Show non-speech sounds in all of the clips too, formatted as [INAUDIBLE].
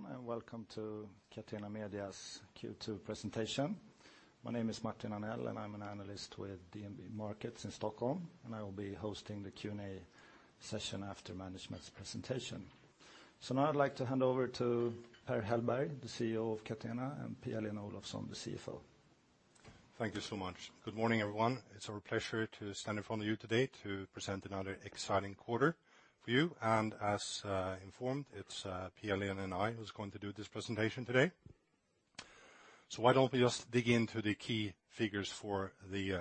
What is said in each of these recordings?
Good evening, everyone, welcome to Catena Media's Q2 presentation. My name is Martin Anell, I'm an Analyst with DNB Markets in Stockholm, I will be hosting the Q&A session after management's presentation. Now I'd like to hand over to Per Hellberg, the CEO of Catena, and Pia-Lena Olofsson, the CFO. Thank you so much. Good morning, everyone. It's our pleasure to stand in front of you today to present another exciting quarter for you. As informed, it's Pia-Lena and I who's going to do this presentation today. Why don't we just dig into the key figures for the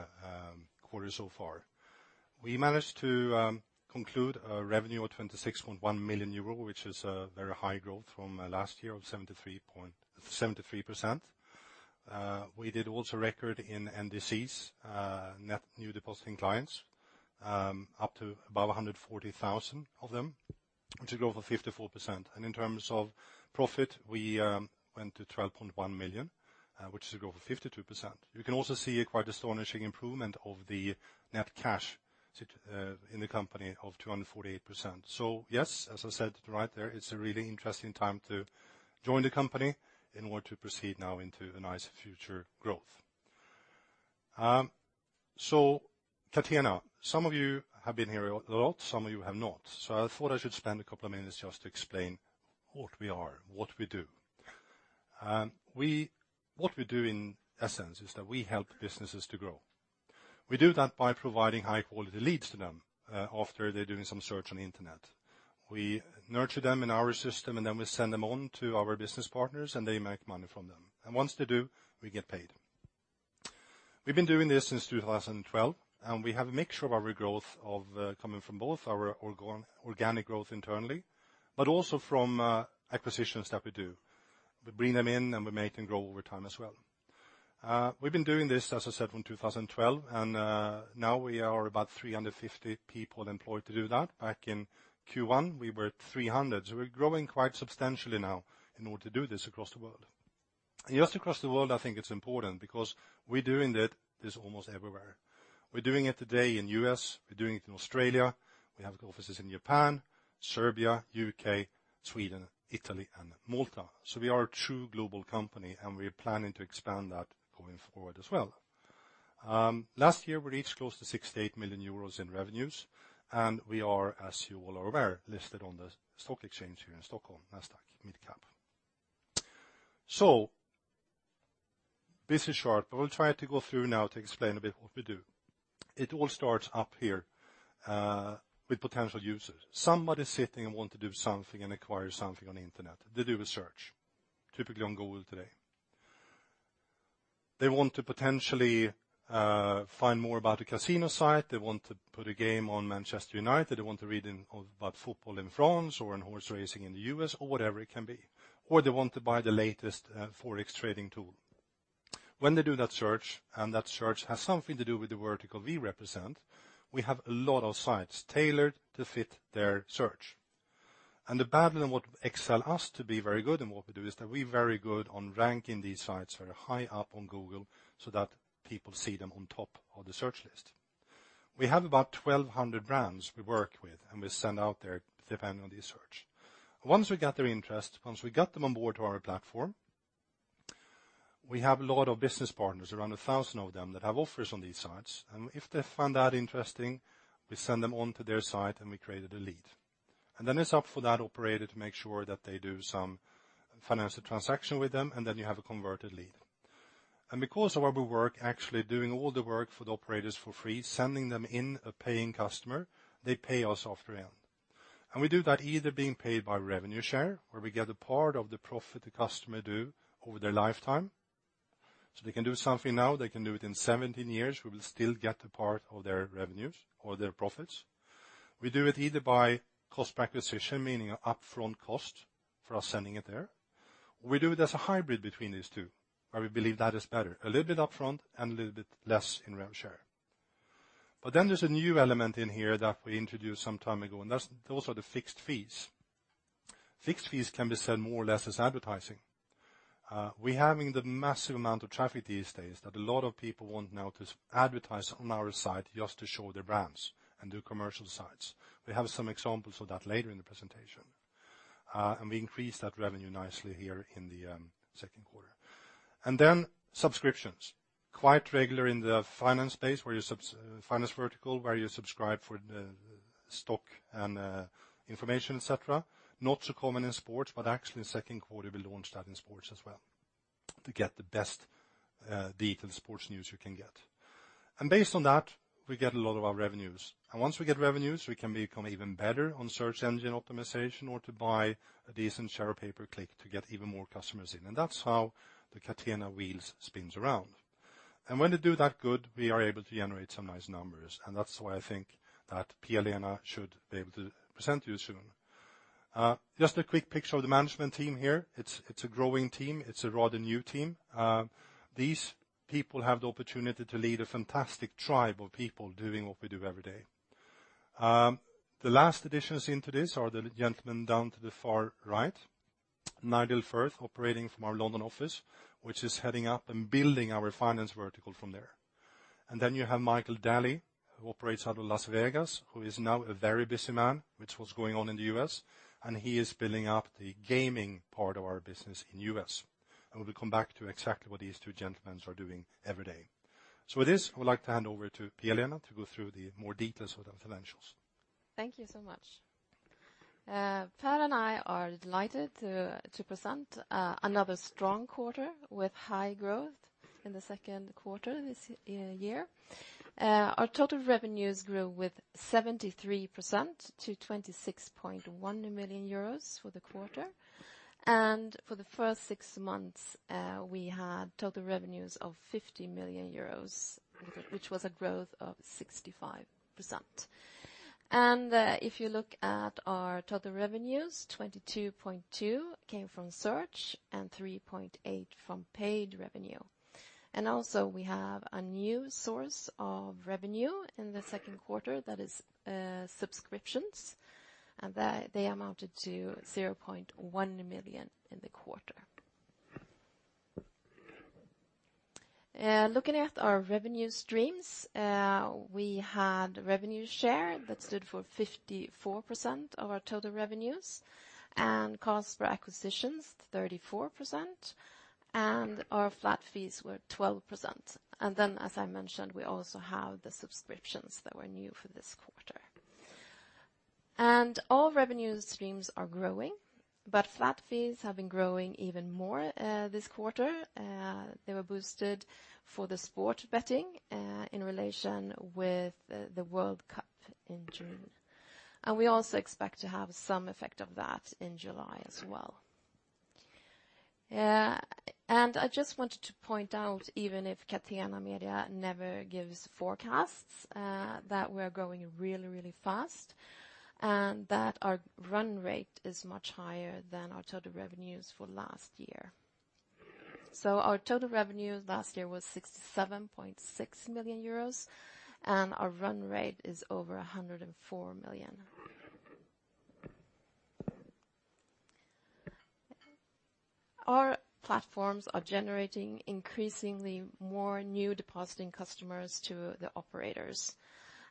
quarter so far? We managed to conclude a revenue of 26.1 million euro, which is a very high growth from last year of 73%. We did also record in NDCs, net new depositing clients, up to about 140,000 of them, which is a growth of 54%. In terms of profit, we went to 12.1 million, which is a growth of 52%. You can also see a quite astonishing improvement of the net cash in the company of 248%. Yes, as I said right there, it's a really interesting time to join the company in order to proceed now into a nice future growth. Catena, some of you have been here a lot, some of you have not. I thought I should spend a couple of minutes just to explain what we are and what we do. What we do in essence is that we help businesses to grow. We do that by providing high-quality leads to them after they're doing some search on the internet. We nurture them in our system, we send them on to our business partners and they make money from them. Once they do, we get paid. We've been doing this since 2012, we have a mixture of our growth of coming from both our organic growth internally, but also from acquisitions that we do. We bring them in and we make them grow over time as well. We've been doing this, as I said, from 2012, now we are about 350 people employed to do that. Back in Q1, we were 300. We're growing quite substantially now in order to do this across the world. Just across the world, I think it's important because we're doing this almost everywhere. We're doing it today in U.S., we're doing it in Australia, we have offices in Japan, Serbia, U.K., Sweden, Italy and Malta. We are a true global company and we're planning to expand that going forward as well. Last year, we reached close to 68 million euros in revenues, we are, as you all are aware, listed on the stock exchange here in Stockholm, Nasdaq Mid Cap. This is short, but we'll try to go through now to explain a bit what we do. It all starts up here, with potential users. Somebody sitting and want to do something and acquire something on the internet. They do a search, typically on Google today. They want to potentially find more about a casino site. They want to put a game on Manchester United. They want to read about football in France or in horse racing in the U.S. or whatever it can be. They want to buy the latest forex trading tool. When they do that search, and that search has something to do with the vertical we represent, we have a lot of sites tailored to fit their search. The battle in what excel us to be very good and what we do is that we're very good on ranking these sites very high up on Google so that people see them on top of the search list. We have about 1,200 brands we work with, and we send out there depending on the search. Once we got their interest, once we got them on board to our platform, we have a lot of business partners, around 1,000 of them, that have offers on these sites. If they find that interesting, we send them on to their site and we created a lead. Then it's up for that operator to make sure that they do some financial transaction with them, and then you have a converted lead. Because of our work actually doing all the work for the operators for free, sending them in a paying customer, they pay us after end. We do that either being paid by revenue share, where we get a part of the profit the customer do over their lifetime. They can do something now, they can do it in 17 years. We will still get a part of their revenues or their profits. We do it either by cost per acquisition, meaning an upfront cost for us sending it there, or we do it as a hybrid between these two, where we believe that is better, a little bit upfront and a little bit less in rev share. There's a new element in here that we introduced some time ago, and those are the fixed fees. Fixed fees can be said more or less as advertising. We're having the massive amount of traffic these days that a lot of people want now to advertise on our site just to show their brands and do commercial sites. We have some examples of that later in the presentation. We increased that revenue nicely here in the second quarter. Subscriptions, quite regular in the finance space where you finance vertical, where you subscribe for the stock and information, et cetera. Not so common in sports, but actually second quarter, we launched that in sports as well to get the best detailed sports news you can get. Based on that, we get a lot of our revenues. Once we get revenues, we can become even better on search engine optimization or to buy a decent share of pay per click to get even more customers in. That's how the Catena wheels spins around. When they do that good, we are able to generate some nice numbers. That's why I think that Pia-Lena should be able to present to you soon. Just a quick picture of the management team here. It is a growing team. It is a rather new team. These people have the opportunity to lead a fantastic tribe of people doing what we do every day. The last additions into this are the gentlemen down to the far right, Nigel Frith, operating from our London office, which is heading up and building our finance vertical from there. Then you have Michael Daly, who operates out of Las Vegas, who is now a very busy man with what is going on in the U.S., and he is building up the iGaming part of our business in U.S. We will come back to exactly what these two gentlemen are doing every day. With this, I would like to hand over to Pia-Lena to go through the more details with our financials. Thank you so much. Per and I are delighted to present another strong quarter with high growth in the second quarter this year. Our total revenues grew with 73% to 26.1 million euros for the quarter. For the first six months, we had total revenues of 50 million euros, which was a growth of 65%. If you look at our total revenues, 22.2 came from search and 3.8 from paid revenue. Also, we have a new source of revenue in the second quarter that is subscriptions, and they amounted to 0.1 million in the quarter. Looking at our revenue streams, we had revenue share that stood for 54% of our total revenues, and cost per acquisitions, 34%, and our flat fees were 12%. Then, as I mentioned, we also have the subscriptions that were new for this quarter. All revenue streams are growing, but flat fees have been growing even more, this quarter. They were boosted for the sport betting, in relation with the World Cup in June. We also expect to have some effect of that in July as well. I just wanted to point out, even if Catena Media never gives forecasts, that we are growing really, really fast, and that our run rate is much higher than our total revenues for last year. Our total revenues last year was 67.6 million euros, and our run rate is over 104 million. Our platforms are generating increasingly more new depositing customers to the operators.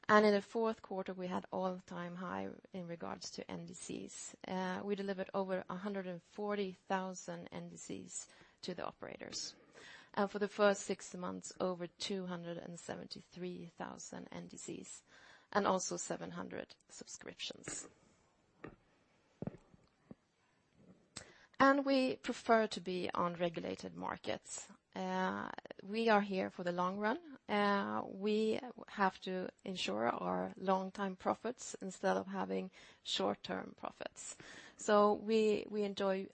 In the fourth quarter, we had all-time high in regards to NDCs. We delivered over 140,000 NDCs to the operators. For the first six months, over 273,000 NDCs and also 700 subscriptions. We prefer to be on regulated markets. We are here for the long run. We have to ensure our long-term profits instead of having short-term profits. We enjoy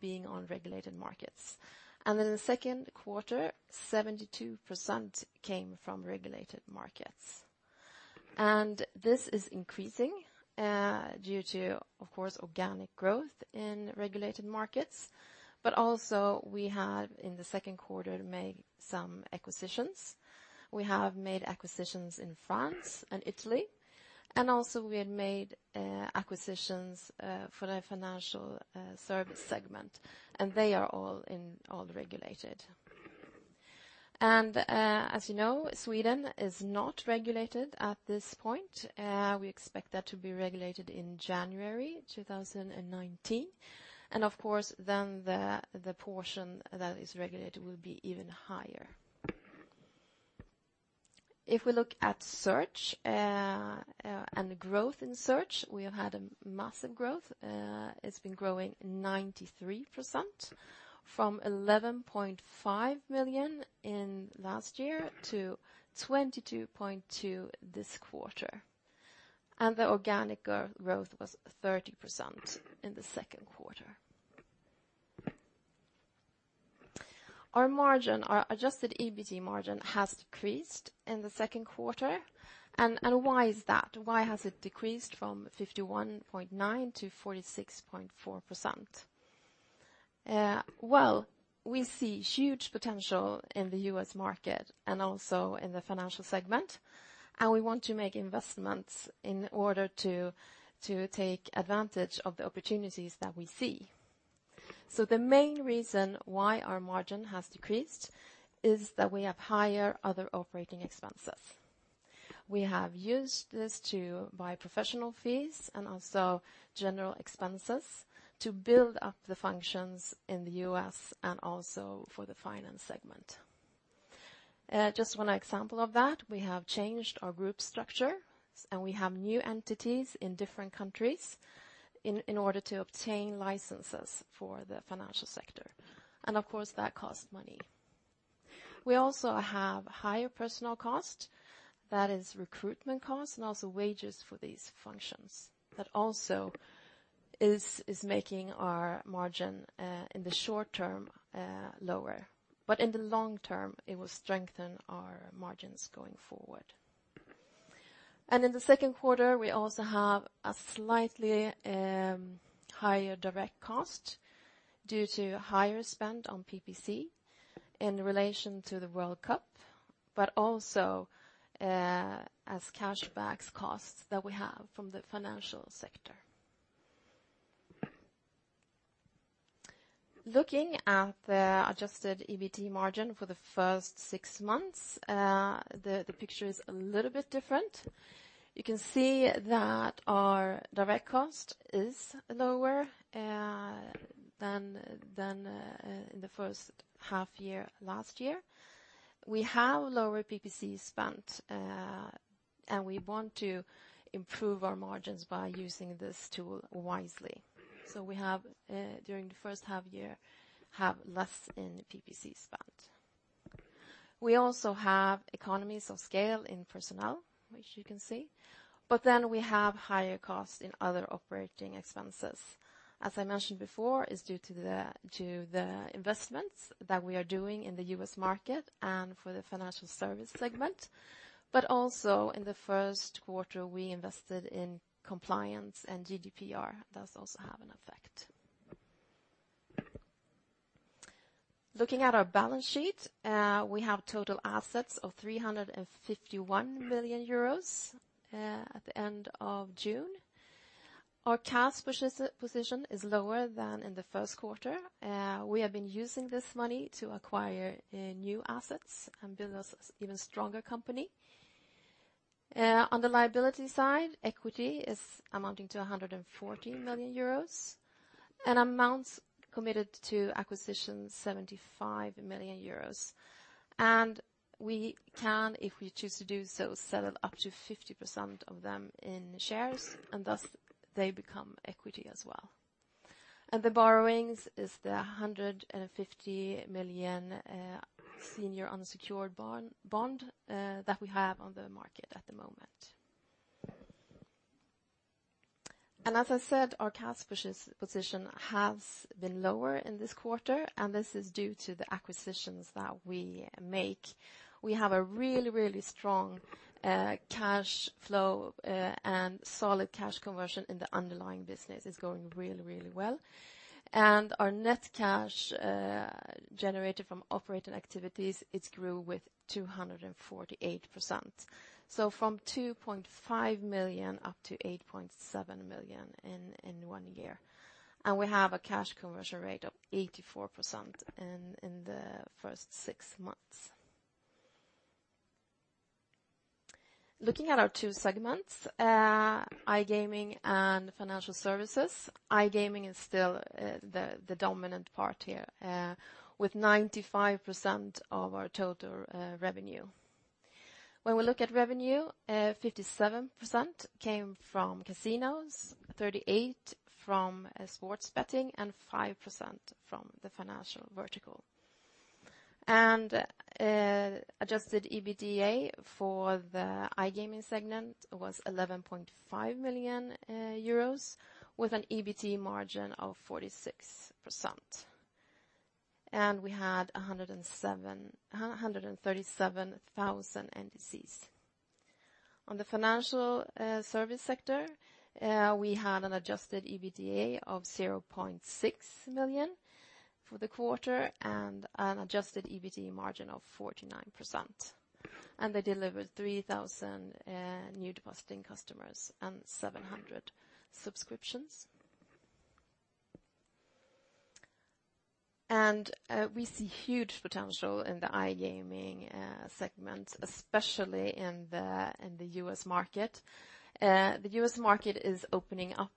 being on regulated markets. In the second quarter, 72% came from regulated markets. This is increasing, due to, of course, organic growth in regulated markets. Also we have, in the second quarter, made some acquisitions. We have made acquisitions in France and Italy. Also we had made acquisitions for the financial service segment, and they are all regulated. As you know, Sweden is not regulated at this point. We expect that to be regulated in January 2019. Of course, then the portion that is regulated will be even higher. If we look at search and the growth in search, we have had a massive growth. It's been growing 93%, from 11.5 million in last year to 22.2 million this quarter. The organic growth was 30% in the second quarter. Our margin, our adjusted EBT margin has decreased in the second quarter. Why is that? Why has it decreased from 51.9% to 46.4%? Well, we see huge potential in the U.S. market and also in the financial segment, and we want to make investments in order to take advantage of the opportunities that we see. The main reason why our margin has decreased is that we have higher other operating expenses. We have used this to buy professional fees and also general expenses to build up the functions in the U.S. and also for the finance segment. Just one example of that, we have changed our group structure, and we have new entities in different countries in order to obtain licenses for the financial sector. Of course, that costs money. We also have higher personal cost. That is recruitment costs and also wages for these functions. That also is making our margin in the short term lower. In the long term, it will strengthen our margins going forward. In the second quarter, we also have a slightly higher direct cost due to higher spend on PPC in relation to the World Cup, but also as cashback costs that we have from the financial sector. Looking at the adjusted EBT margin for the first six months, the picture is a little bit different. You can see that our direct cost is lower than in the first half year last year. We have lower PPC spend, and we want to improve our margins by using this tool wisely. We have, during the first half year, have less in PPC spend. We also have economies of scale in personnel, which you can see, but then we have higher costs in other operating expenses. As I mentioned before, it's due to the investments that we are doing in the U.S. market and for the financial service segment, but also in the first quarter, we invested in compliance and GDPR. That does also have an effect. Looking at our balance sheet, we have total assets of 351 million euros at the end of June. Our cash position is lower than in the first quarter. We have been using this money to acquire new assets and build us an even stronger company. On the liability side, equity is amounting to 114 million euros and amounts committed to acquisitions, 75 million euros. We can, if we choose to do so, sell up to 50% of them in shares, and thus they become equity as well. The borrowings is the 150 million senior unsecured bond that we have on the market at the moment. As I said, our cash position has been lower in this quarter, and this is due to the acquisitions that we make. We have a really strong cash flow and solid cash conversion in the underlying business. It is going really well. Our net cash generated from operating activities, it grew with 248%. So from 2.5 million up to 8.7 million in one year. We have a cash conversion rate of 84% in the first six months. Looking at our two segments, iGaming and financial services, iGaming is still the dominant part here with 95% of our total revenue. When we look at revenue, 57% came from casinos, 38% from sports betting, and 5% from the financial vertical. Adjusted EBITDA for the iGaming segment was 11.5 million euros with an EBT margin of 46%. We had 137,000 NDCs. On the financial service sector, we had an adjusted EBITDA of 0.6 million for the quarter and an adjusted EBT margin of 49%. They delivered 3,000 new depositing customers and 700 subscriptions. We see huge potential in the iGaming segment, especially in the U.S. market. The U.S. market is opening up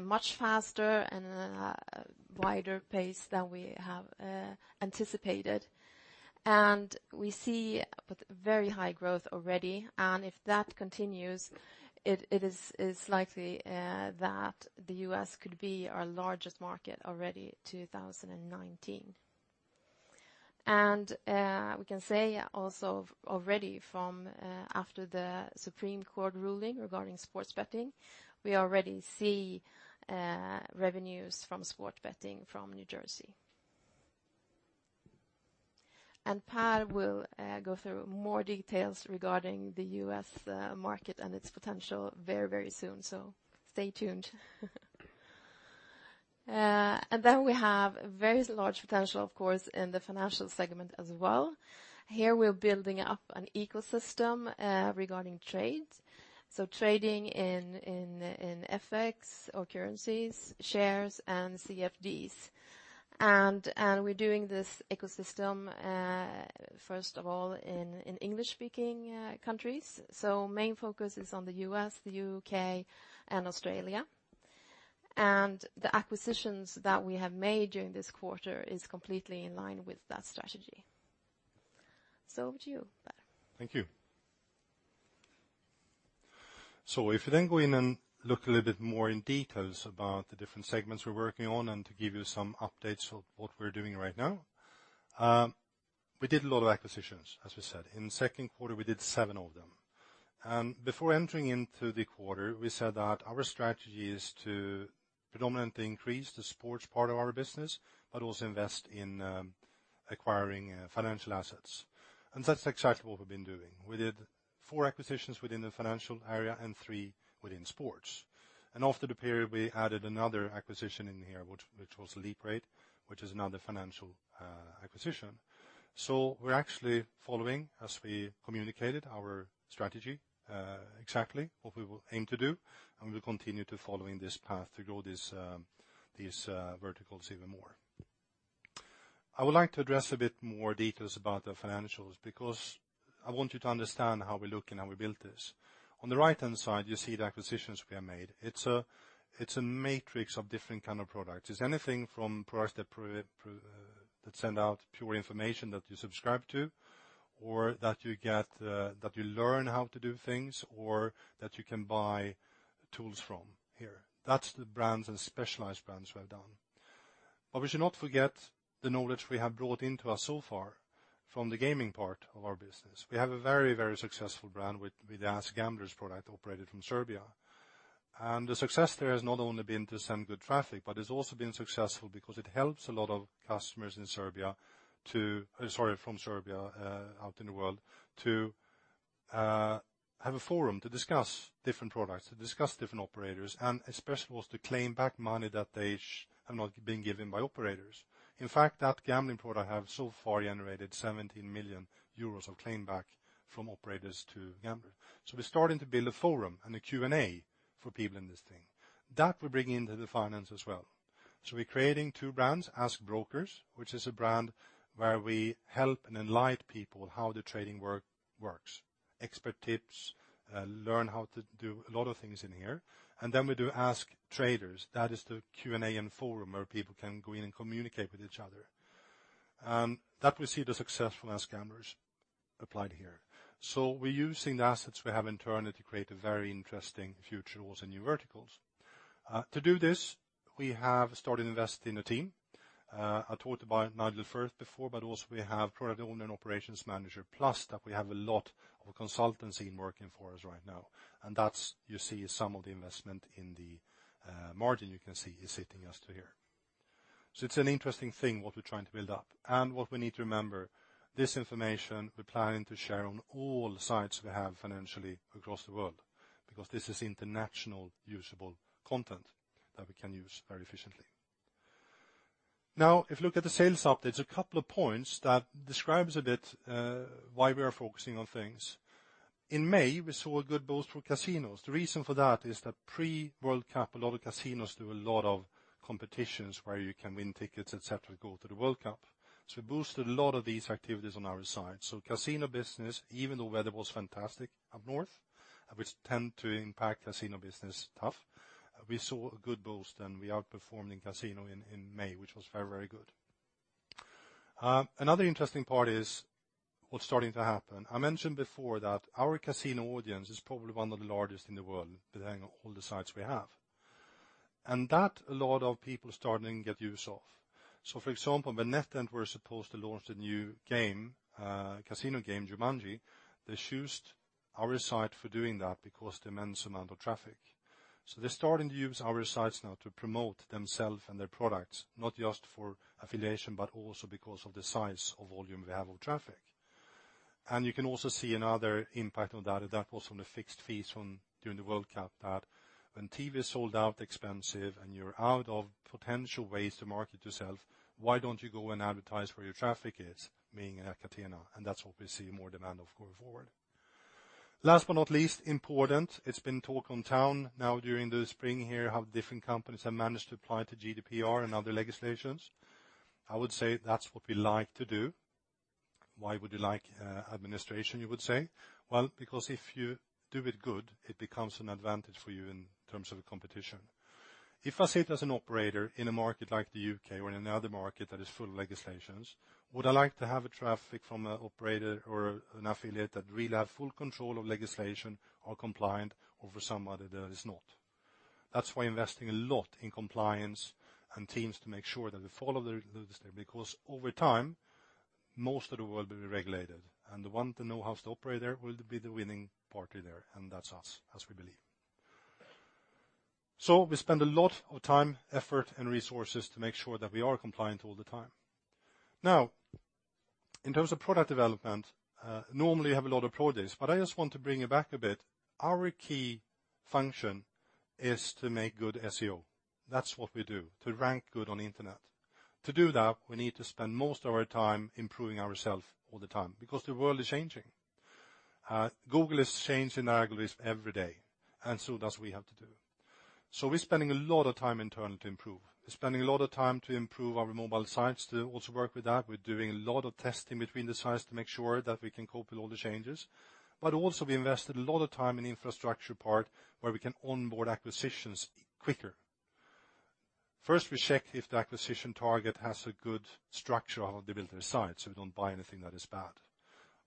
much faster and at a wider pace than we have anticipated. We see very high growth already, and if that continues, it is likely that the U.S. could be our largest market already in 2019. We can say also already from after the Supreme Court ruling regarding sports betting, we already see revenues from sports betting from New Jersey. Per will go through more details regarding the U.S. market and its potential very soon. Stay tuned. We have very large potential, of course, in the financial segment as well. Here we're building up an ecosystem regarding trade, so trading in FX or currencies, shares, and CFDs. We're doing this ecosystem first of all, in English-speaking countries. The main focus is on the U.S., the U.K., and Australia. The acquisitions that we have made during this quarter is completely in line with that strategy. Over to you, Per. Thank you. If you then go in and look a little bit more in details about the different segments we're working on and to give you some updates on what we're doing right now. We did a lot of acquisitions, as we said. In the second quarter, we did seven of them. Before entering into the quarter, we said that our strategy is to predominantly increase the sports part of our business, but also invest in acquiring financial assets. That's exactly what we've been doing. We did four acquisitions within the financial area and three within sports. After the period, we added another acquisition in here, which was LeapRate, which is another financial acquisition. We're actually following as we communicated our strategy, exactly what we will aim to do. We will continue to follow in this path to grow these verticals even more. I would like to address a bit more details about the financials, because I want you to understand how we look and how we built this. On the right-hand side, you see the acquisitions we have made. It's a matrix of different kind of products. It's anything from products that send out pure information that you subscribe to, or that you learn how to do things, or that you can buy tools from here. That's the brands and specialized brands we have done. We should not forget the knowledge we have brought into us so far from the gaming part of our business. We have a very successful brand with the AskGamblers product operated from Serbia. The success there has not only been to send good traffic, but it's also been successful because it helps a lot of customers from Serbia out in the world, to have a forum to discuss different products, to discuss different operators, and especially was to claim back money that they are not being given by operators. In fact, that gambling product have so far generated 70 million euros of claim back from operators to gamblers. We're starting to build a forum and a Q&A for people in this thing. That will bring into the finance as well. We're creating two brands, AskBrokers, which is a brand where we help and enlighten people how the trading works. Expert tips, learn how to do a lot of things in here. Then we do AskTraders. That is the Q&A and forum where people can go in and communicate with each other. That we see the success from AskGamblers applied here. We're using the assets we have internally to create a very interesting future also in new verticals. To do this, we have started investing in a team. I talked about Nigel Frith before. We also have product owner and operations manager, plus that we have a lot of consultancy working for us right now, and that's you see some of the investment in the margin you can see is hitting us to here. It's an interesting thing what we're trying to build up and what we need to remember, this information we're planning to share on all sites we have financially across the world because this is international usable content that we can use very efficiently. Now, if you look at the sales updates, a couple of points that describes a bit why we are focusing on things. In May, we saw a good boost for casinos. The reason for that is that pre-World Cup, a lot of casinos do a lot of competitions where you can win tickets, et cetera, to go to the World Cup. We boosted a lot of these activities on our site. Casino business, even though weather was fantastic up north, which tend to impact casino business tough, we saw a good boost and we outperformed in casino in May, which was very good. Another interesting part is what's starting to happen. I mentioned before that our casino audience is probably one of the largest in the world, depending on all the sites we have. That a lot of people starting to get use of. For example, when NetEnt were supposed to launch the new casino game, Jumanji, they choose our site for doing that because the immense amount of traffic. You can also see another impact on that was on the fixed fees during the World Cup, that when TV is sold out expensive and you're out of potential ways to market yourself, why don't you go and advertise where your traffic is, meaning in a casino, and that's what we see more demand of going forward. Last but not least important, it's been talk on town now during the spring here, how different companies have managed to apply to GDPR and other legislations. I would say that's what we like to do. Why would you like administration, you would say? Because if you do it good, it becomes an advantage for you in terms of competition. If I sit as an operator in a market like the U.K. or in another market that is full of legislations, would I like to have a traffic from an operator or an affiliate that really have full control of legislation or compliance over somebody that is not? That's why investing a lot in compliance and teams to make sure that we follow the legislation. Over time, most of the world will be regulated and the one to know how to operate there will be the winning party there, and that's us as we believe. We spend a lot of time, effort, and resources to make sure that we are compliant all the time. In terms of product development, normally you have a lot of projects, but I just want to bring you back a bit. Our key function is to make good SEO. That's what we do, to rank good on internet. To do that, we need to spend most of our time improving ourself all the time because the world is changing. Google is changing algorithms every day, and so does we have to do. We're spending a lot of time internally to improve. We're spending a lot of time to improve our mobile sites to also work with that. We're doing a lot of testing between the sites to make sure that we can cope with all the changes. Also we invested a lot of time in infrastructure part where we can onboard acquisitions quicker. First, we check if the acquisition target has a good structure of how they built their site, so we don't buy anything that is bad.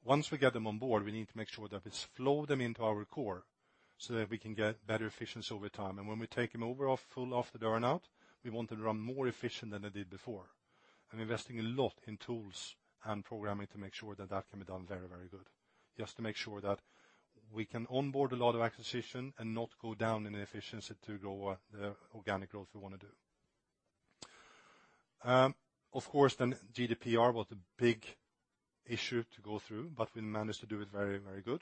Once we get them on board, we need to make sure that it's flowed them into our core so that we can get better efficiency over time. And when we take them over fully out the door, we want to run more efficient than they did before, and investing a lot in tools and programming to make sure that can be done very good. Just to make sure that we can onboard a lot of acquisition and not go down in efficiency to grow the organic growth we want to do. GDPR was a big issue to go through, but we managed to do it very good.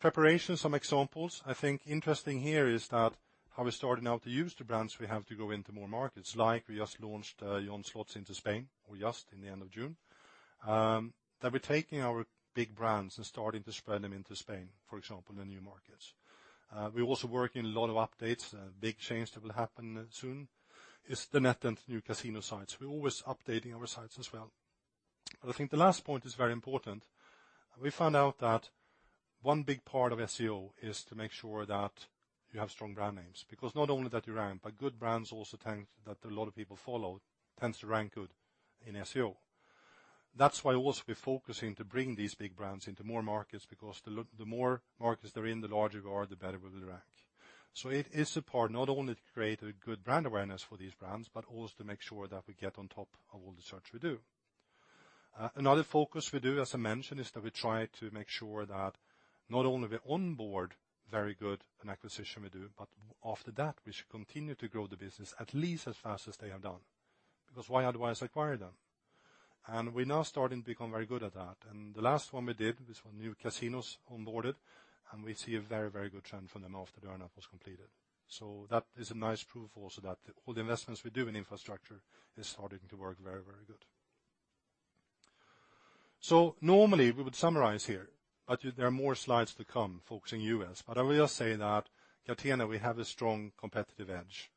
Preparation, some examples. I think interesting here is that how we're starting now to use the brands we have to go into more markets. Like we just launched JohnSlots into Spain, or just in the end of June. That we're taking our big brands and starting to spread them into Spain, for example, the new markets. We're also working a lot of updates. Big change that will happen soon is the NetEnt new casino sites. We're always updating our sites as well. I think the last point is very important. We found out that one big part of SEO is to make sure that you have strong brand names, because not only that you rank, but good brands also, that a lot of people follow, tends to rank good in SEO. That's why also we're focusing to bring these big brands into more markets, because the more markets they're in, the larger we are, the better we will rank. It is a part not only to create a good brand awareness for these brands, but also to make sure that we get on top of all the search we do. Another focus we do, as I mentioned, is that we try to make sure that not only we onboard very good an acquisition we do, but after that, we should continue to grow the business at least as fast as they have done. Because why otherwise acquire them? We're now starting to become very good at that. The last one we did was when NewCasinos onboarded, and we see a very good trend from them after the earn-up was completed. That is a nice proof also that all the investments we do in infrastructure is starting to work very good. Normally we would summarize here, but there are more slides to come focusing U.S. I will say that Catena, we have a strong competitive edge.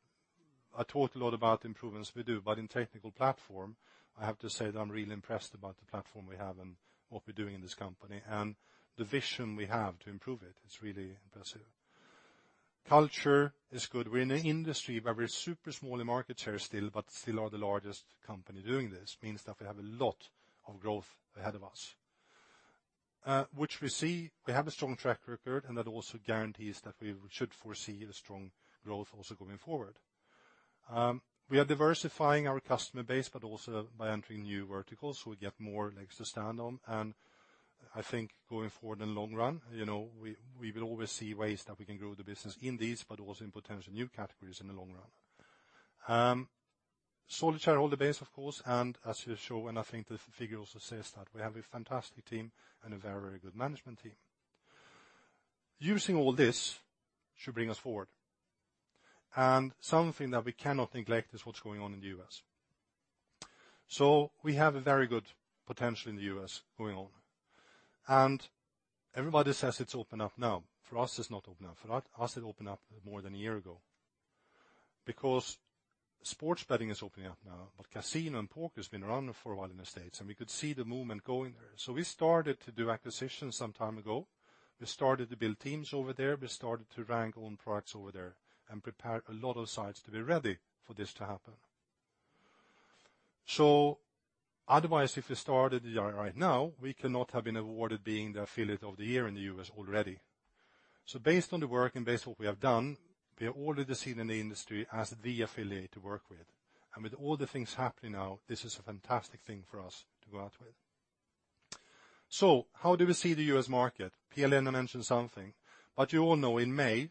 I talked a lot about improvements we do, but in technical platform, I have to say that I'm really impressed about the platform we have and what we're doing in this company. The vision we have to improve it's really impressive. Culture is good. We're in an industry where we're super small in market share still, but still are the largest company doing this, means that we have a lot of growth ahead of us. Which we see, we have a strong track record, and that also guarantees that we should foresee the strong growth also going forward. We are diversifying our customer base, but also by entering new verticals, we get more legs to stand on. I think going forward in the long run, we will always see ways that we can grow the business in these, but also in potential new categories in the long run. Solid shareholder base, of course. As you show, and I think the figure also says that we have a fantastic team and a very good management team. Using all this should bring us forward. Something that we cannot neglect is what's going on in the U.S. We have a very good potential in the U.S. going on. Everybody says it's opened up now. For us, it's not opened up. For us, it opened up more than a year ago. Sports betting is opening up now, but casino and poker has been around for a while in the U.S. We could see the movement going there. We started to do acquisitions some time ago. We started to build teams over there. We started to rank own products over there and prepare a lot of sites to be ready for this to happen. Otherwise, if we started right now, we cannot have been awarded being the Affiliate of the Year in the U.S. already. Based on the work and based on what we have done, we are already seen in the industry as the affiliate to work with. With all the things happening now, this is a fantastic thing for us to go out with. How do we see the U.S. market? Pia-Lena mentioned something. You all know, in May,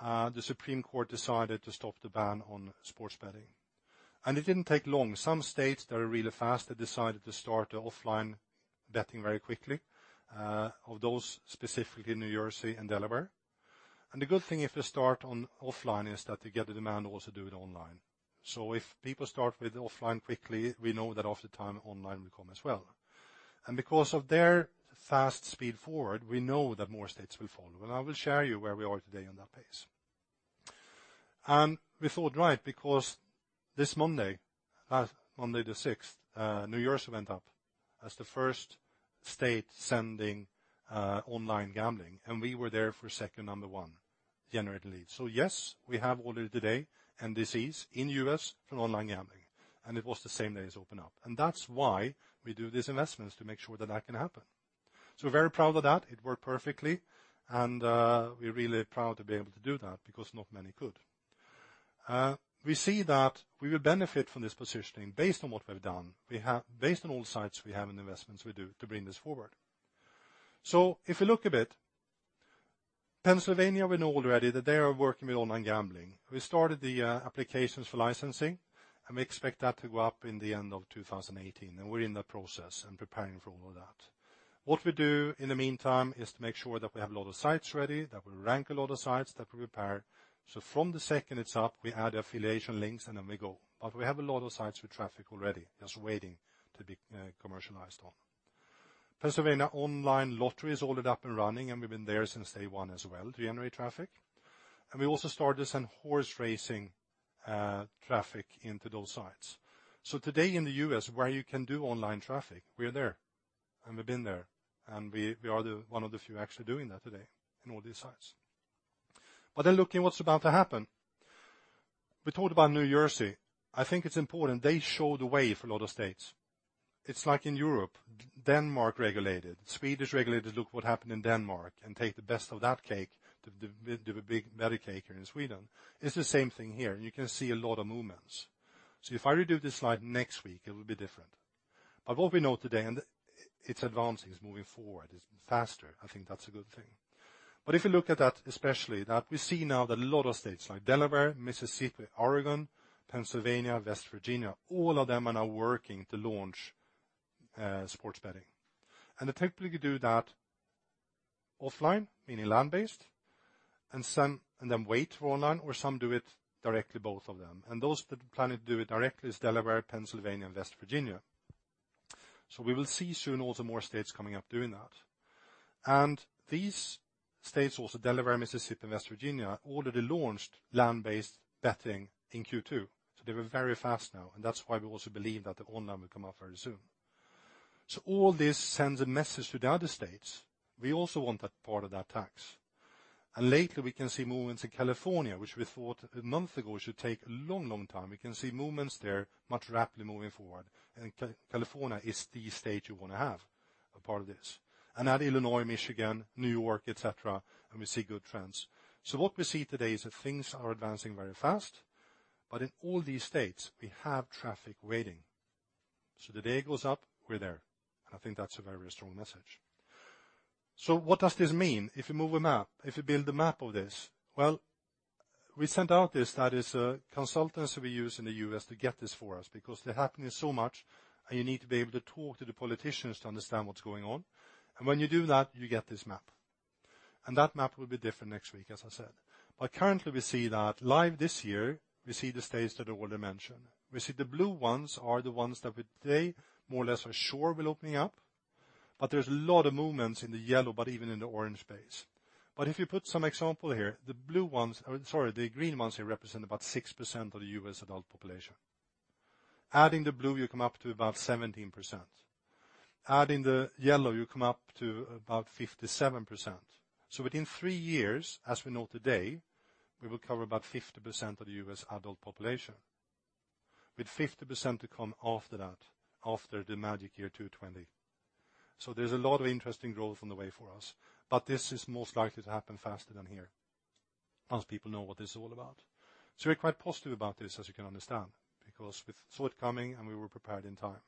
the Supreme Court decided to stop the ban on sports betting. It didn't take long. Some states that are really fast, they decided to start the offline betting very quickly, of those specifically New Jersey and Delaware. The good thing if they start on offline is that they get the demand also to do it online. If people start with offline quickly, we know that often time online will come as well. Because of their fast speed forward, we know that more states will follow. I will share you where we are today on that pace. We thought right, because this Monday the 6th, New Jersey went up as the first state sending online gambling, and we were there for second number one, generating leads. Yes, we have ordered today, this is in the U.S. for online gambling. It was the same day as open up. That's why we do these investments to make sure that can happen. Very proud of that. It worked perfectly. We're really proud to be able to do that because not many could. We see that we will benefit from this positioning based on what we've done, based on all the sites we have and investments we do to bring this forward. If we look a bit, Pennsylvania we know already that they are working with online gambling. We started the applications for licensing, we expect that to go up in the end of 2018, we're in the process and preparing for all of that. What we do in the meantime is to make sure that we have a lot of sites ready, that we rank a lot of sites that we prepare. From the second it's up, we add affiliation links, then we go. We have a lot of sites with traffic already just waiting to be commercialized on. Pennsylvania online lottery is already up and running, we've been there since day one as well to generate traffic. We also started to send horse racing traffic into those sites. Today in the U.S., where you can do online traffic, we are there, we've been there, we are one of the few actually doing that today in all these sites. Looking what's about to happen. We talked about New Jersey. I think it's important they show the way for a lot of states. It's like in Europe, Denmark regulated, Swedish regulated, look what happened in Denmark and take the best of that cake, the big berry cake here in Sweden. It's the same thing here, you can see a lot of movements. If I redo this slide next week, it will be different. What we know today, it's advancing, it's moving forward. It's faster. I think that's a good thing. If you look at that, especially that we see now that a lot of states like Delaware, Mississippi, Oregon, Pennsylvania, West Virginia, all of them are now working to launch sports betting. The technical you do that offline, meaning land-based, then wait for online, or some do it directly both of them. Those that are planning to do it directly is Delaware, Pennsylvania, and West Virginia. We will see soon also more states coming up doing that. These states, also, Delaware, Mississippi, and West Virginia, already launched land-based betting in Q2. They were very fast now, that's why we also believe that the online will come out very soon. All this sends a message to the other states. We also want that part of that tax. Lately, we can see movements in California, which we thought a month ago should take a long, long time. We can see movements there much rapidly moving forward, California is the state you want to have a part of this. Add Illinois, Michigan, New York, et cetera, we see good trends. What we see today is that things are advancing very fast, but in all these states, we have traffic waiting. The day it goes up, we're there, I think that's a very strong message. What does this mean? If you move a map, if you build a map of this, well, we sent out this. That is, consultants we use in the U.S. to get this for us, because they're happening so much, you need to be able to talk to the politicians to understand what's going on. When you do that, you get this map, that map will be different next week, as I said. Currently, we see that live this year, we see the states that I already mentioned. We see the blue ones are the ones that we today more or less are sure will opening up. There's a lot of movements in the yellow, even in the orange space. If you put some example here, the blue ones, sorry, the green ones here represent about 6% of the U.S. adult population. Adding the blue, you come up to about 17%. Adding the yellow, you come up to about 57%. Within three years, as we know today, we will cover about 50% of the U.S. adult population, with 50% to come after that, after the magic year 2020. There's a lot of interesting growth on the way for us, but this is most likely to happen faster than here, once people know what this is all about. We're quite positive about this, as you can understand, because we saw it coming, and we were prepared in time.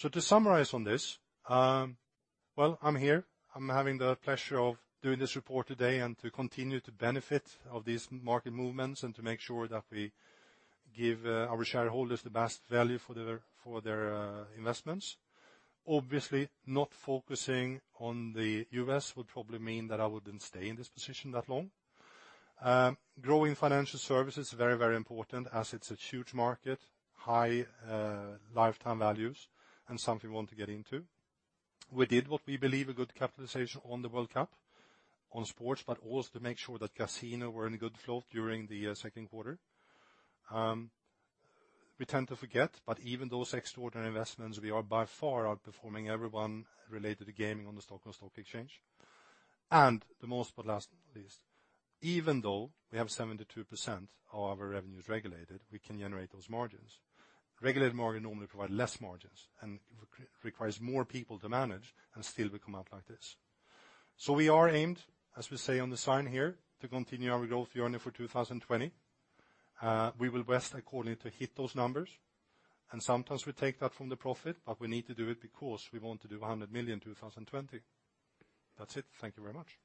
To summarize on this, well, I'm here. I'm having the pleasure of doing this report today and to continue to benefit of these market movements and to make sure that we give our shareholders the best value for their investments. Obviously, not focusing on the U.S. would probably mean that I wouldn't stay in this position that long. Growing financial services, very, very important, as it's a huge market, high lifetime values, and something we want to get into. We did what we believe a good capitalization on the World Cup, on sports, but also to make sure that casino were in a good flow during the second quarter. We tend to forget, but even those extraordinary investments, we are by far outperforming everyone related to gaming on the Stockholm stock exchange. The most, but last, not least, even though we have 72% of our revenues regulated, we can generate those margins. Regulated margin normally provide less margins and requires more people to manage, and still we come out like this. We are aimed, as we say on the sign here, to continue our growth journey for 2020. We will rest accordingly to hit those numbers, and sometimes we take that from the profit, but we need to do it because we want to do 100 million 2020. That's it. Thank you very much.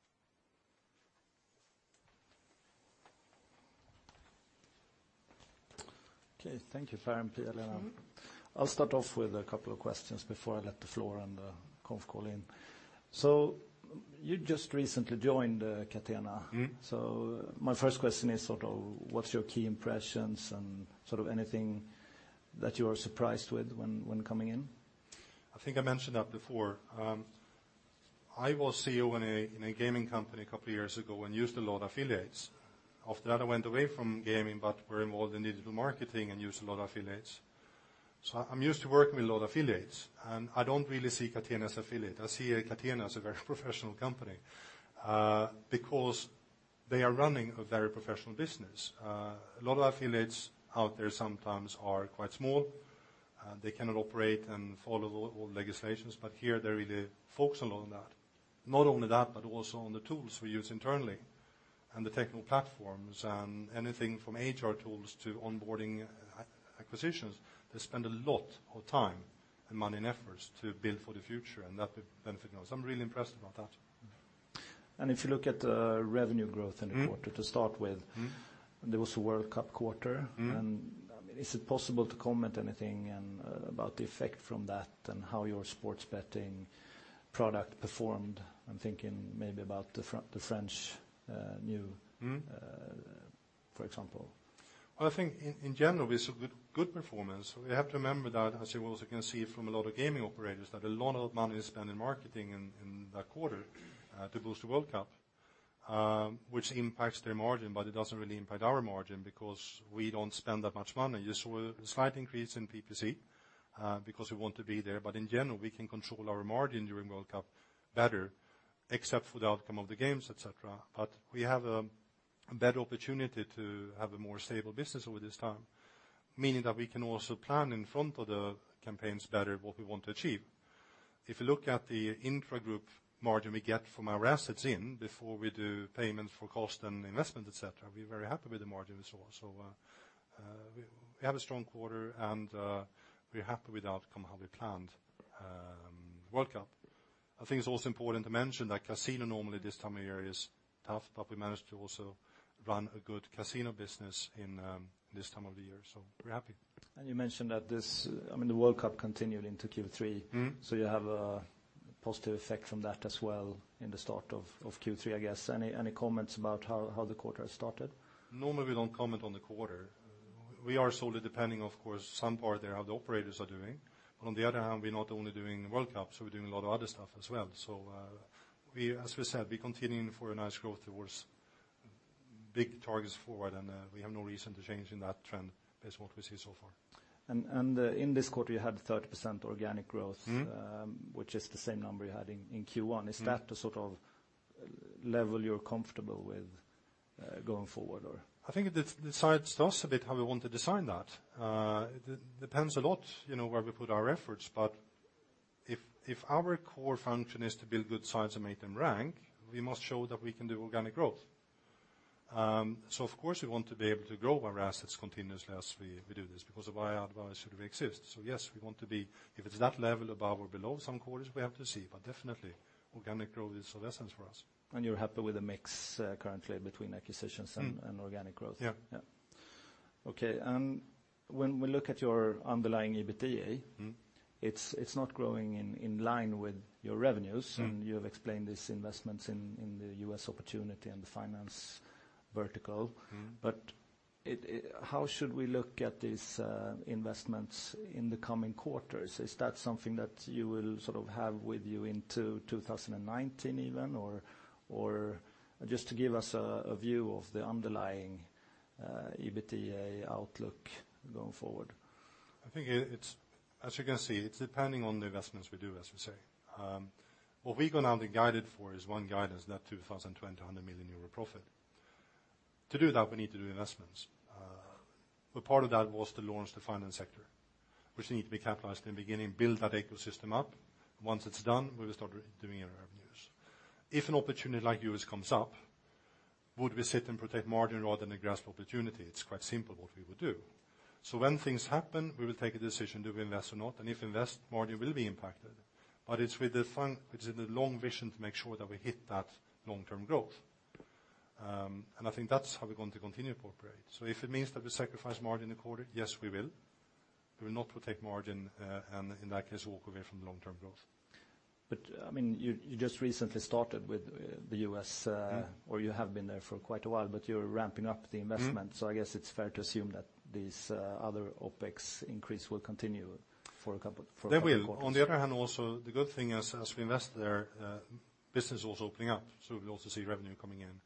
Okay. Thank you, Per and Pia-Lena. I'll start off with a couple of questions before I let the floor and the conf call in. You just recently joined Catena. My first question is sort of what's your key impressions and sort of anything that you were surprised with when coming in? I think I mentioned that before. I was CEO in a gaming company a couple of years ago and used a lot of affiliates. After that, I went away from gaming, but we're involved in digital marketing and use a lot of affiliates. I'm used to working with a lot of affiliates, and I don't really see Catena as affiliate. I see Catena as a very professional company, because they are running a very professional business. A lot of affiliates out there sometimes are quite small. They cannot operate and follow all legislations, but here they really focus a lot on that. Not only that, but also on the tools we use internally and the technical platforms and anything from HR tools to onboarding acquisitions. They spend a lot of time and money and efforts to build for the future and that benefit us. I'm really impressed about that. If you look at the revenue growth in the quarter- to start with. There was a World Cup quarter. I mean, is it possible to comment anything and about the effect from that and how your sports betting product performed? for example. Well, I think in general it's a good performance. We have to remember that, as you also can see from a lot of gaming operators, that a lot of money is spent in marketing in that quarter, to boost the World Cup, which impacts their margin, but it doesn't really impact our margin because we don't spend that much money. You saw a slight increase in PPC, because we want to be there. In general, we can control our margin during World Cup better, except for the outcome of the games, et cetera. We have a better opportunity to have a more stable business over this time, meaning that we can also plan in front of the campaigns better what we want to achieve. If you look at the intra-group margin we get from our assets in, before we do payments for cost and investment, et cetera, we're very happy with the margin as well. We have a strong quarter, and we're happy with the outcome, how we planned World Cup. I think it's also important to mention that casino normally this time of year is tough, but we managed to also run a good casino business in this time of the year, so we're happy. You mentioned that this, I mean, the World Cup continued into Q3. You have a positive effect from that as well in the start of Q3, I guess. Any comments about how the quarter has started? Normally, we don't comment on the quarter. We are solely depending, of course, some part there how the operators are doing, but on the other hand, we're not only doing World Cup, so we're doing a lot of other stuff as well. As we said, we're continuing for a nice growth towards big targets forward and we have no reason to changing that trend based on what we see so far. In this quarter, you had 30% organic growth. which is the same number you had in Q1. Is that the sort of level you're comfortable with going forward or? I think it decides to us a bit how we want to design that. It depends a lot where we put our efforts, but if our core function is to build good sites and make them rank, we must show that we can do organic growth. Of course, we want to be able to grow our assets continuously as we do this because of why otherwise should we exist. Yes, we want to be, if it's that level above or below some quarters, we have to see. Definitely organic growth is of essence for us. You're happy with the mix currently between acquisitions and- organic growth? Yeah. Yeah. Okay, when we look at your underlying EBITDA- it's not growing in line with your revenues. You have explained these investments in the U.S. opportunity and the finance vertical. How should we look at these investments in the coming quarters? Is that something that you will sort of have with you into 2019 even? Just to give us a view of the underlying EBITDA outlook going forward. I think as you can see, it's depending on the investments we do, as we say. What we go now the guided for is one guidance, that 2020 100 million euro profit. To do that, we need to do investments. A part of that was to launch the finance sector, which need to be capitalized in the beginning, build that ecosystem up. Once it's done, we will start doing our revenues. If an opportunity like U.S. comes up, would we sit and protect margin rather than a grasp opportunity? It's quite simple what we would do. When things happen, we will take a decision, do we invest or not? If invest, margin will be impacted, but it's with the fund, which is in the long vision to make sure that we hit that long-term growth. I think that's how we're going to continue to operate. If it means that we sacrifice margin a quarter, yes, we will. We will not protect margin, and in that case, walk away from the long-term growth. You just recently started with the U.S.- You have been there for quite a while, but you're ramping up the investment. I guess it's fair to assume that these other OpEx increase will continue for a couple quarters. They will. On the other hand, also, the good thing is as we invest there, business is also opening up. We also see revenue coming in.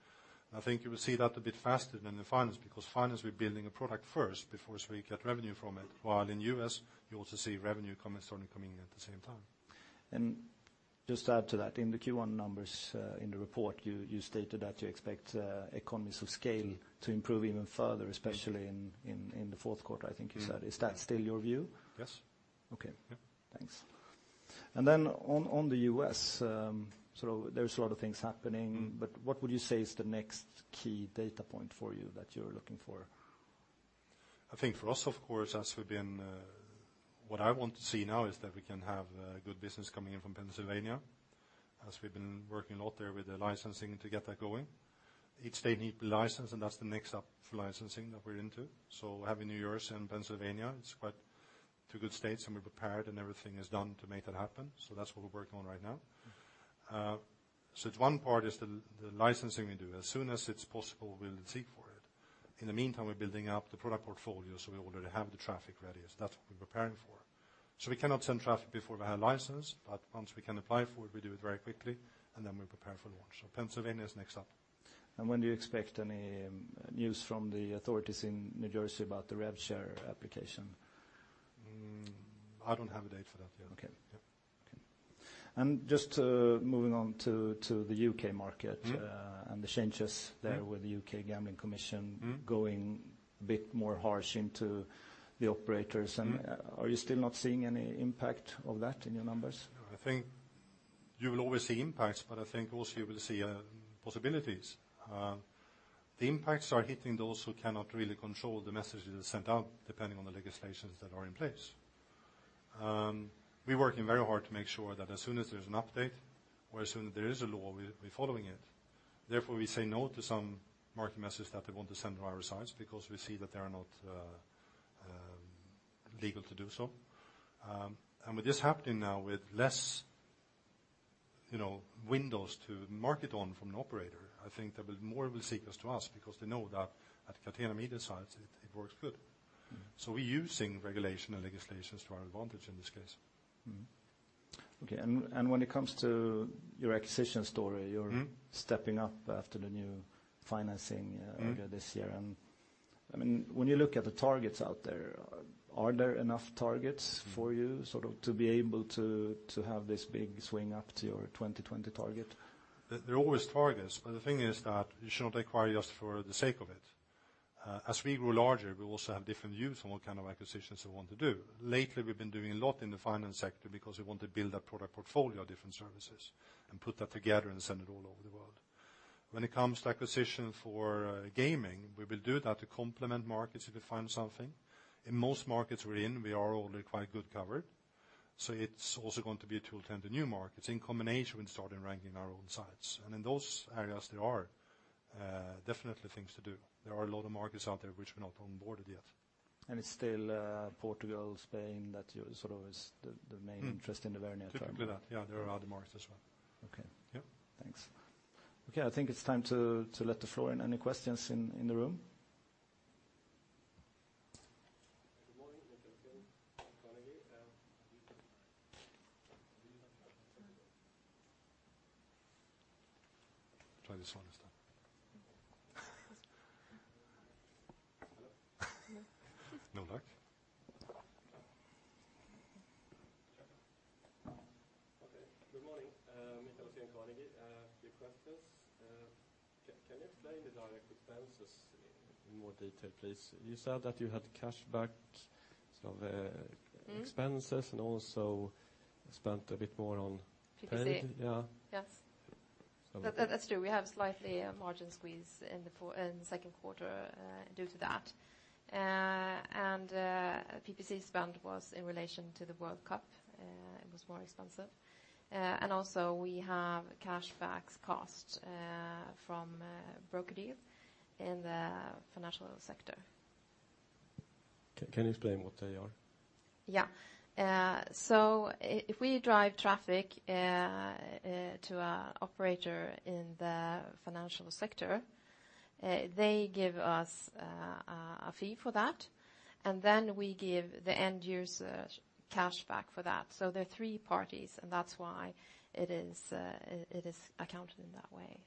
I think you will see that a bit faster than the finance because we're building a product first before so we get revenue from it. While in U.S., you also see revenue coming, starting coming in at the same time. Just to add to that, in the Q1 numbers, in the report, you stated that you expect economies of scale to improve even further. Especially in the fourth quarter, I think you said. Is that still your view? Yes. Okay. Yeah. Thanks. Then on the U.S., there's a lot of things happening. What would you say is the next key data point for you that you're looking for? I think for us, of course, what I want to see now is that we can have good business coming in from Pennsylvania, as we've been working a lot there with the licensing to get that going. Each state need license, and that's the next up for licensing that we're into. Having New Jersey and Pennsylvania, it's quite two good states, and we're prepared, and everything is done to make that happen. That's what we're working on right now. One part is the licensing we do. As soon as it's possible, we'll seek for it. In the meantime, we're building up the product portfolio, so we already have the traffic ready. That's what we're preparing for. We cannot send traffic before we have license, but once we can apply for it, we do it very quickly, and then we prepare for launch. Pennsylvania is next up. When do you expect any news from the authorities in New Jersey about the rev share application? I don't have a date for that yet. Okay. Yeah. Okay. Just to moving on to the U.K. market. The changes there. With the U.K. Gambling Commission. going a bit more harsh into the operators. Are you still not seeing any impact of that in your numbers? I think you will always see impacts, but I think also you will see possibilities. The impacts are hitting those who cannot really control the messages sent out, depending on the legislations that are in place. We're working very hard to make sure that as soon as there's an update or as soon as there is a law, we're following it. We say no to some market message that they want to send to our sites because we see that they are not legal to do so. With this happening now with less windows to market on from the operator, I think that more will seek us to us because they know that at Catena Media sites, it works good. We're using regulation and legislations to our advantage in this case. Okay, when it comes to your acquisition story. You're stepping up after the new financing earlier this year. I mean, when you look at the targets out there, are there enough targets for you sort of to be able to have this big swing up to your 2020 target? There are always targets, the thing is that you should not acquire just for the sake of it. As we grow larger, we also have different views on what kind of acquisitions we want to do. Lately, we've been doing a lot in the finance sector because we want to build a product portfolio of different services and put that together and send it all over the world. When it comes to acquisition for gaming, we will do that to complement markets if we find something. In most markets we're in, we are already quite good covered. It's also going to be to attend the new markets in combination with starting ranking our own sites. In those areas, there are definitely things to do. There are a lot of markets out there which we're not on board yet. It's still Portugal, Spain, that sort of is the main interest in the very near term? Typically that, yeah. There are other markets as well. Okay. Yeah. Thanks. Okay, I think it's time to let the floor in. Any questions in the room? Good morning. Mikael Lindskog, Carnegie. Try this one instead. Hello? No luck. Okay. Good morning. Mikael Lindskog, Carnegie. Few questions. Can you explain the direct expenses in more detail, please? You said that you had cashback. expenses and also spent a bit more on. PPC. Yeah. Yes. That's true. We have slightly a margin squeeze in the second quarter due to that. PPC spend was in relation to the World Cup, it was more expensive. We have cashbacks cost from broker deal in the financial sector. Can you explain what they are? Yeah. If we drive traffic to a operator in the financial sector, they give us a fee for that, and then we give the end user cashback for that. There are three parties and that's why it is accounted in that way.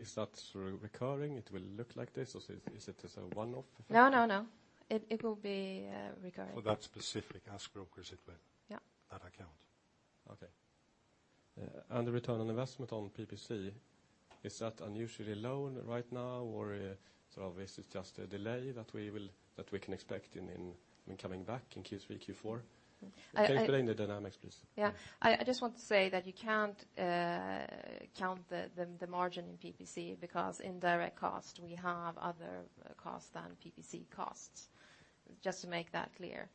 Is that sort of recurring? It will look like this or is it as a one-off? No, no, it will be recurring. For that specific AskBrokers it. Yeah that account. Okay. The return on investment on PPC, is that unusually low right now, or sort of this is just a delay that we can expect in coming back in Q3, Q4? Can you explain the dynamics, please? Yeah. I just want to say that you can't count the margin in PPC because in direct cost we have other costs than PPC costs, just to make that clear.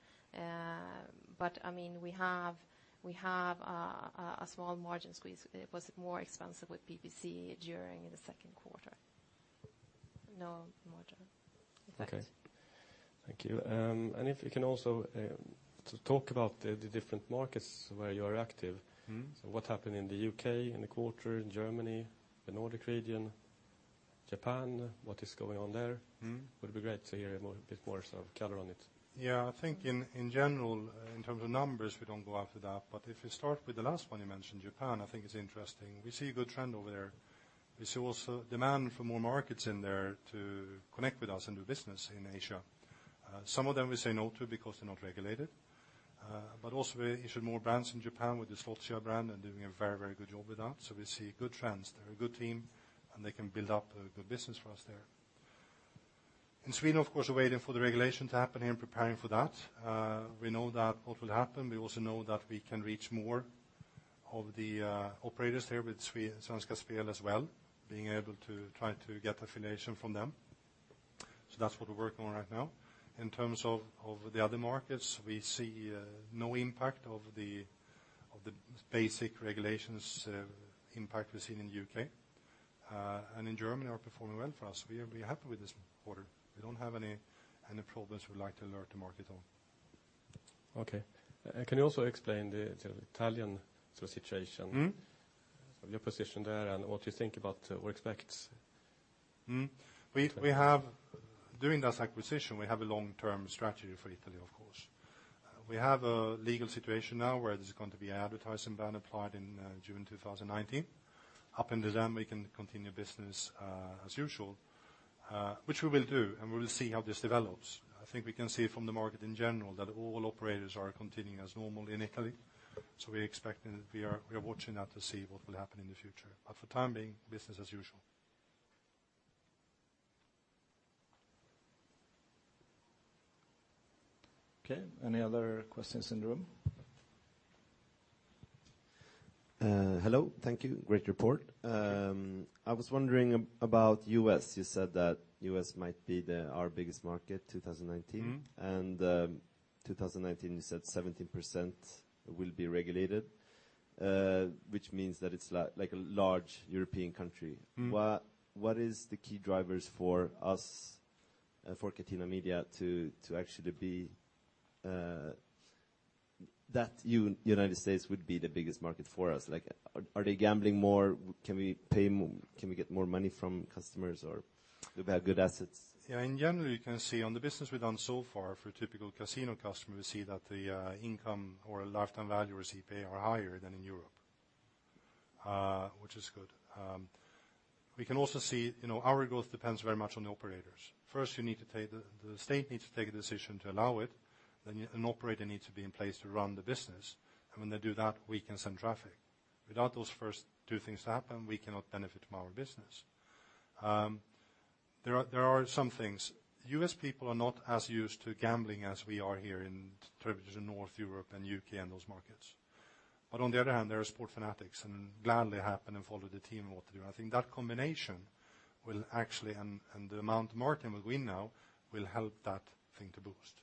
We have a small margin squeeze. It was more expensive with PPC during the second quarter. No margin effects. Okay. Thank you. If you can also talk about the different markets where you are active. What happened in the U.K. in the quarter, in Germany, the Nordic region, Japan, what is going on there? Would be great to hear a bit more sort of color on it. Yeah, I think in general, in terms of numbers, we don't go after that. If we start with the last one you mentioned, Japan, I think it's interesting. We see a good trend over there. We see also demand for more markets in there to connect with us and do business in Asia. Some of them we say no to because they're not regulated. Also we issued more brands in Japan with the Slotsia brand and doing a very, very good job with that. We see good trends there, a good team, and they can build up a good business for us there. In Sweden, of course, we're waiting for the regulation to happen and preparing for that. We know that will happen. We also know that we can reach more of the operators there with Svenska Spel as well, being able to try to get affiliation from them. That's what we're working on right now. In terms of the other markets, we see no impact of the basic regulations impact we've seen in the U.K. In Germany are performing well for us. We are happy with this quarter. We don't have any problems we'd like to alert the market on. Okay. Can you also explain the Italian sort of situation? Your position there and what you think about or expect? During this acquisition, we have a long-term strategy for Italy, of course. We have a legal situation now where there's going to be advertising ban applied in June 2019. Up until then, we can continue business as usual, which we will do, and we will see how this develops. I think we can see from the market in general that all operators are continuing as normal in Italy. We are watching that to see what will happen in the future. For the time being, business as usual. Okay, any other questions in the room? Hello. Thank you. Great report. Thank you. I was wondering about U.S. You said that U.S. might be our biggest market 2019. 2019 you said 17% will be regulated, which means that it's like a large European country. What is the key drivers for us, for Catena Media to actually be that United States would be the biggest market for us? Like are they gambling more? Can we get more money from customers or they have good assets? Yeah, in general, you can see on the business we've done so far, for a typical casino customer, we see that the income or lifetime value we see pay are higher than in Europe, which is good. We can also see our growth depends very much on the operators. First, the state needs to take a decision to allow it. An operator needs to be in place to run the business. When they do that, we can send traffic. Without those first two things to happen, we cannot benefit from our business. There are some things. U.S. people are not as used to gambling as we are here in terms of the North Europe and U.K. and those markets. On the other hand, there are sport fanatics and gladly happen and follow the team all through. I think that will actually, the amount Martin will win now will help that thing to boost.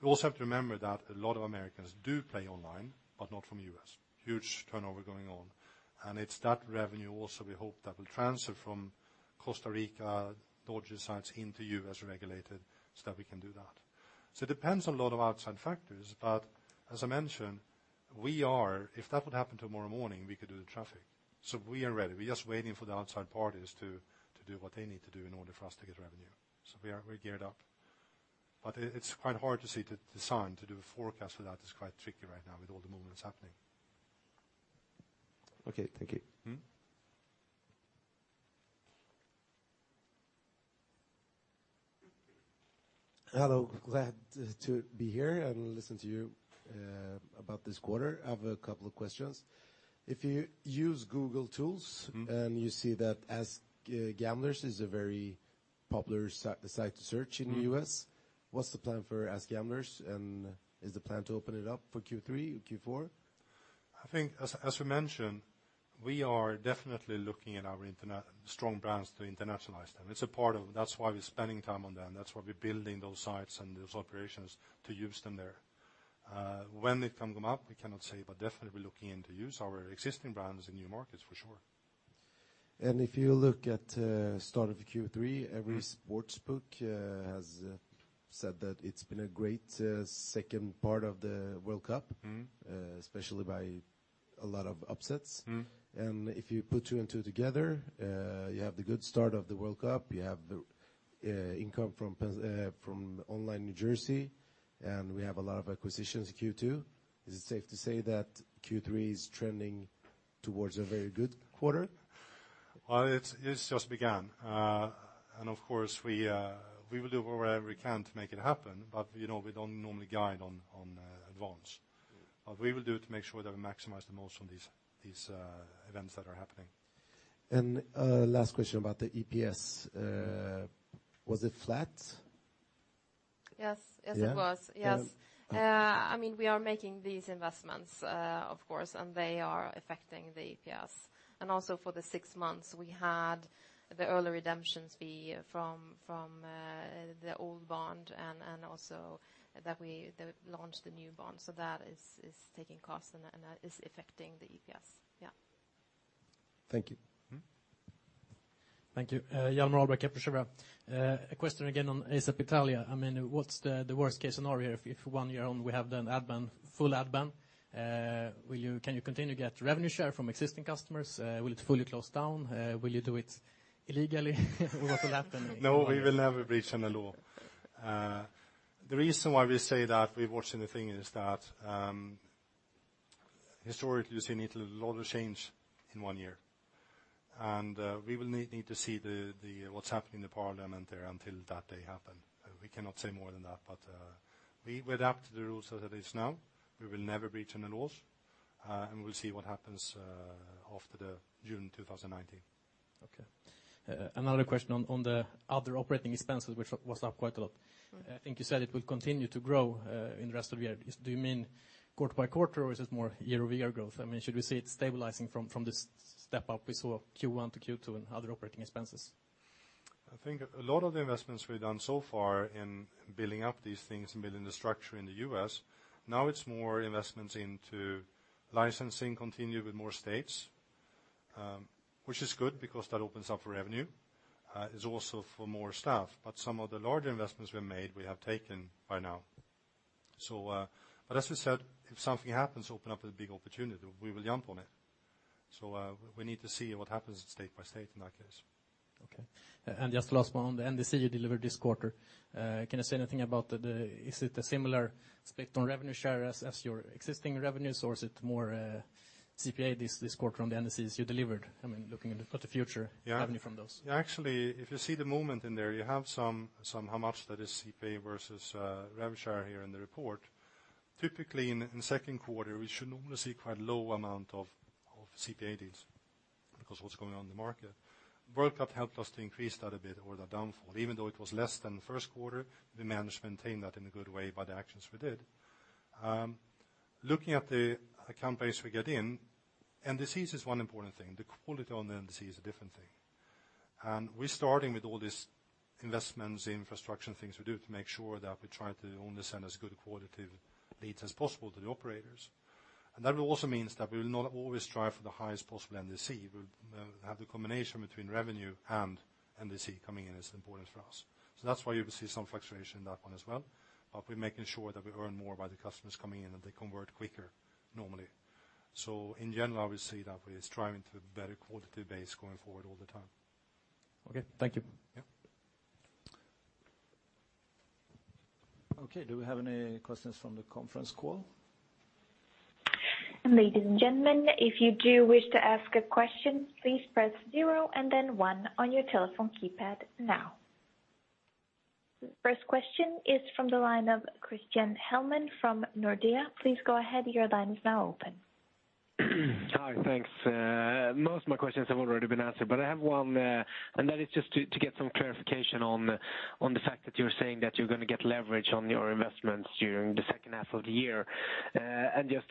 We also have to remember that a lot of Americans do play online, but not from U.S. Huge turnover going on, and it's that revenue also we hope that will transfer from Costa Rica, dodgy sites into U.S. regulated so that we can do that. It depends on a lot of outside factors, but as I mentioned, if that would happen tomorrow morning, we could do the traffic. We are ready. We're just waiting for the outside parties to do what they need to do in order for us to get revenue. We're geared up. It's quite hard to see, to sign, to do a forecast for that is quite tricky right now with all the movements happening. Okay. Thank you. Hello. Glad to be here and listen to you about this quarter. I have a couple of questions. If you use Google Tools- you see that AskGamblers is a very popular site to search in the U.S.- what's the plan for AskGamblers, is the plan to open it up for Q3 or Q4? I think as we mentioned, we are definitely looking in our strong brands to internationalize them. That's why we're spending time on them. That's why we're building those sites and those operations to use them there. When they can come up, we cannot say, but definitely we're looking into use our existing brands in new markets for sure. If you look at start of the Q3. Every sportsbook has said that it's been a great second part of the World Cup. Especially by a lot of upsets. If you put two and two together, you have the good start of the World Cup, you have the income from online New Jersey, and we have a lot of acquisitions in Q2, is it safe to say that Q3 is trending towards a very good quarter? Well, it's just begun. Of course, we will do whatever we can to make it happen. We don't normally guide on advance. We will do it to make sure that we maximize the most on these events that are happening. Last question about the EPS. Was it flat? Yes. Yeah. Yes, it was. Yes. We are making these investments, of course, and they are affecting the EPS. Also for the six months we had the early redemptions fee from the old bond and also that we launched the new bond. That is taking costs and that is affecting the EPS. Yeah. Thank you. Thank you. Hjalmar Ahlberg, Kepler Cheuvreux. A question again on ASAP Italia. What's the worst-case scenario if one year on we have the ad ban, full ad ban, can you continue to get revenue share from existing customers? Will it fully close down? Will you do it illegally? What will happen? No, we will never breach any law. The reason why we say that we're watching the thing is that, historically we've seen Italy a lot will change in one year. We will need to see what's happening in the parliament there until that day happen. We cannot say more than that. We adapt to the rules as it is now. We will never breach any laws, and we'll see what happens after the June 2019. Okay. Another question on the other operating expenses, which was up quite a lot. I think you said it will continue to grow in the rest of the year. Do you mean quarter by quarter, or is this more year-over-year growth? Should we see it stabilizing from this step up we saw Q1 to Q2 and other operating expenses? I think a lot of the investments we've done so far in building up these things and building the structure in the U.S., now it's more investments into licensing continue with more states, which is good because that opens up revenue. It's also for more staff. Some of the large investments we made, we have taken by now. As we said, if something happens, open up a big opportunity, we will jump on it. We need to see what happens state by state in that case. Okay. Just the last one, the NDC you delivered this quarter, can you say anything about, is it a similar split on revenue share as your existing revenues, or is it more CPA this quarter on the NDCs you delivered? Yeah revenue from those. Actually, if you see the movement in there, you have some how much that is CPA versus revenue share here in the report. Typically, in the second quarter, we should normally see quite low amount of CPA deals because what's going on in the market. World Cup helped us to increase that a bit or that downfall, even though it was less than the first quarter, we managed to maintain that in a good way by the actions we did. Looking at the account base we get in, NDCs is one important thing. The quality on the NDC is a different thing. We're starting with all these investments, infrastructure things we do to make sure that we try to only send as good a qualitative leads as possible to the operators. That will also means that we will not always strive for the highest possible NDC. We'll have the combination between revenue and NDC coming in is important for us. That's why you will see some fluctuation in that one as well. We're making sure that we earn more by the customers coming in and they convert quicker normally. In general, we see that we are striving to a better quality base going forward all the time. Okay. Thank you. Yeah. Okay. Do we have any questions from the conference call? Ladies and gentlemen, if you do wish to ask a question, please press 0 and then 1 on your telephone keypad now. First question is from the line of Christian Hellman from Nordea. Please go ahead, your line is now open. Hi. Thanks. Most of my questions have already been answered, but I have one, and that is just to get some clarification on the fact that you're saying that you're going to get leverage on your investments during the second half of the year. Understand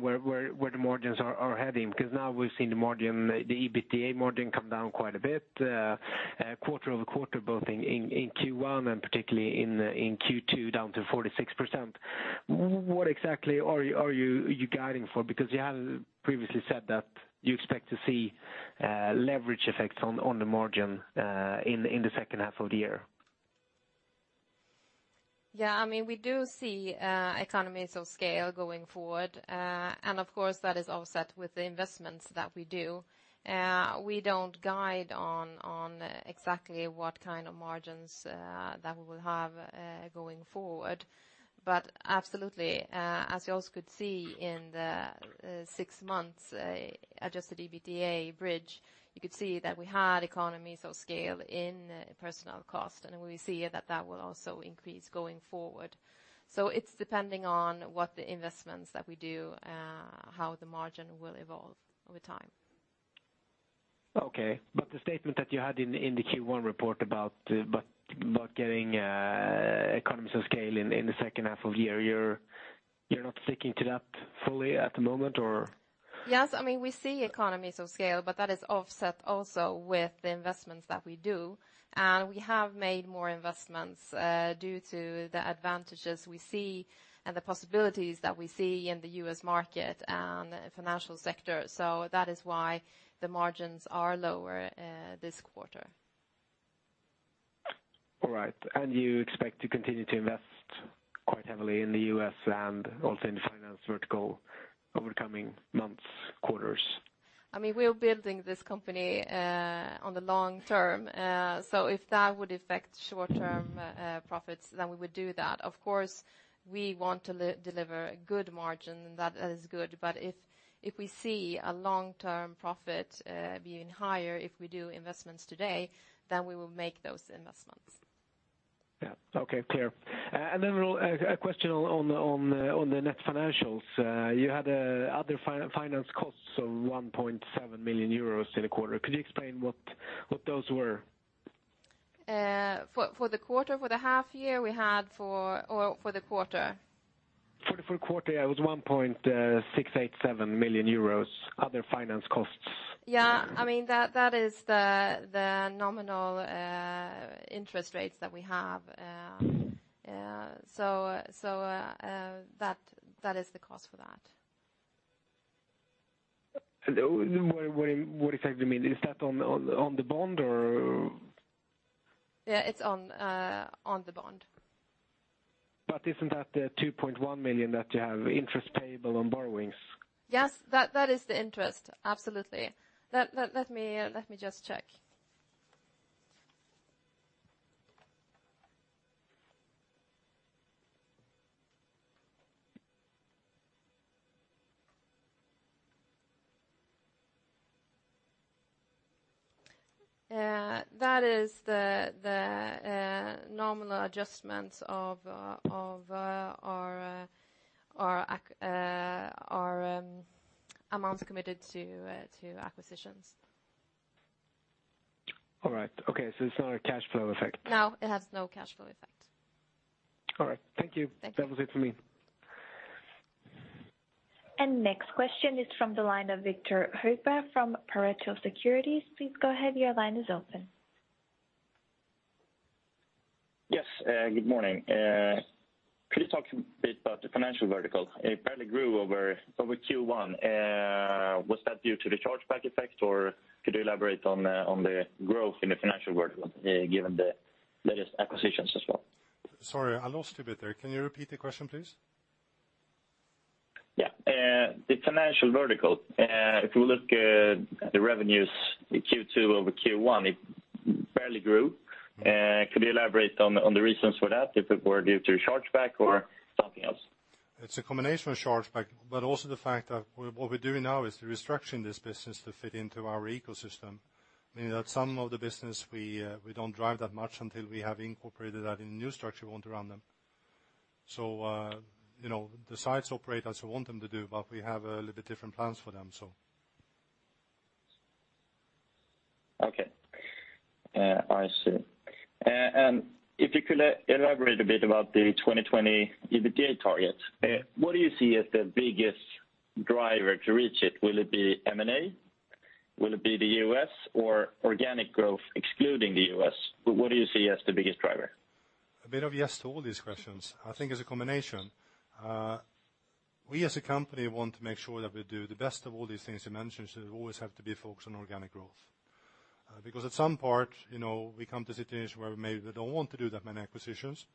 where the margins are heading because now we've seen the EBITDA margin come down quite a bit quarter-over-quarter, both in Q1 and particularly in Q2, down to 46%. What exactly are you guiding for? You have previously said that you expect to see leverage effects on the margin in the second half of the year. Yeah. We do see economies of scale going forward. Of course, that is offset with the investments that we do. We don't guide on exactly what kind of margins that we will have going forward. Absolutely, as you also could see in the six months adjusted EBITDA bridge, you could see that we had economies of scale in personal cost, and we see that that will also increase going forward. It's depending on what the investments that we do, how the margin will evolve over time. Okay. The statement that you had in the Q1 report about getting economies of scale in the second half of the year, you're not sticking to that fully at the moment, or? Yes. We see economies of scale, but that is offset also with the investments that we do. We have made more investments due to the advantages we see and the possibilities that we see in the U.S. market and financial sector. That is why the margins are lower this quarter. All right. You expect to continue to invest quite heavily in the U.S. and also in the finance vertical over coming months, quarters? We're building this company on the long term. If that would affect short-term profits, then we would do that. Of course, we want to deliver a good margin. That is good. If we see a long-term profit being higher if we do investments today, then we will make those investments. Yeah. Okay. Clear. Then a question on the net financials. You had other finance costs of 1.7 million euros in a quarter. Could you explain what those were? For the quarter? For the half year? For the quarter? For the full quarter, it was 1.687 million euros, other finance costs. That is the nominal interest rates that we have. That is the cost for that. What exactly, do you mean? Is that on the bond or? It's on the bond. Isn't that the 2.1 million that you have interest payable on borrowings? Yes. That is the interest. Absolutely. Let me just check. That is the nominal adjustments of our amounts committed to acquisitions. All right. Okay. It's not a cash flow effect. No, it has no cash flow effect. All right. Thank you. Thank you. That was it for me. Next question is from the line of Victor Holter from Pareto Securities. Please go ahead. Your line is open. Yes. Good morning. Good morning. Could you talk a bit about the financial vertical? It barely grew over Q1. Was that due to the chargeback effect, or could you elaborate on the growth in the financial vertical given the latest acquisitions as well? Sorry, I lost you a bit there. Can you repeat the question, please? Yeah. The financial vertical, if you look at the revenues in Q2 over Q1, it barely grew. Could you elaborate on the reasons for that, if it were due to chargeback or something else? It's a combination of chargeback, but also the fact that what we're doing now is restructuring this business to fit into our ecosystem, meaning that some of the business we don't drive that much until we have incorporated that in the new structure we want around them. The sites operate as we want them to do, but we have a little bit different plans for them. Okay. I see. If you could elaborate a bit about the 2020 EBITDA target, what do you see as the biggest driver to reach it? Will it be M&A? Will it be the U.S. or organic growth excluding the U.S.? What do you see as the biggest driver? A bit of yes to all these questions. I think it's a combination. We as a company want to make sure that we do the best of all these things you mentioned. We always have to be focused on organic growth. At some part, we come to situations where maybe we don't want to do that many acquisitions,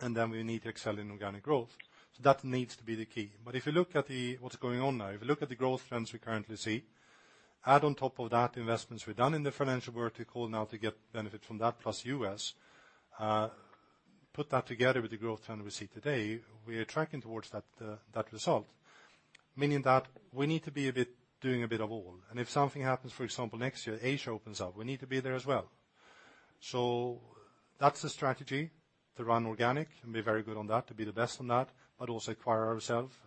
and then we need to excel in organic growth. That needs to be the key. If you look at what's going on now, if you look at the growth trends we currently see, add on top of that investments we've done in the financial vertical now to get benefit from that, plus U.S., put that together with the growth trend we see today, we are tracking towards that result. Meaning that we need to be doing a bit of all. If something happens, for example, next year, Asia opens up, we need to be there as well. That's the strategy, to run organic and be very good on that, to be the best on that, but also acquire ourself,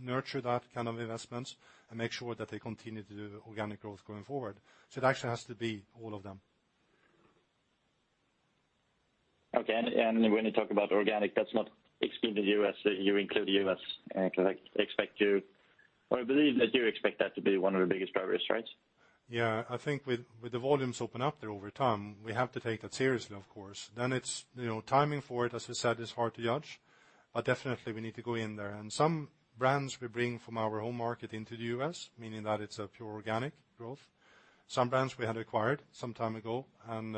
nurture that kind of investments and make sure that they continue to do organic growth going forward. It actually has to be all of them. Okay. When you talk about organic, that's not excluding the U.S., you include the U.S., because I believe that you expect that to be one of the biggest drivers, right? Yeah. I think with the volumes opening up there over time, we have to take that seriously, of course. Timing for it, as we said, is hard to judge. Definitely we need to go in there. Some brands we bring from our home market into the U.S., meaning that it's a pure organic growth. Some brands we had acquired some time ago, and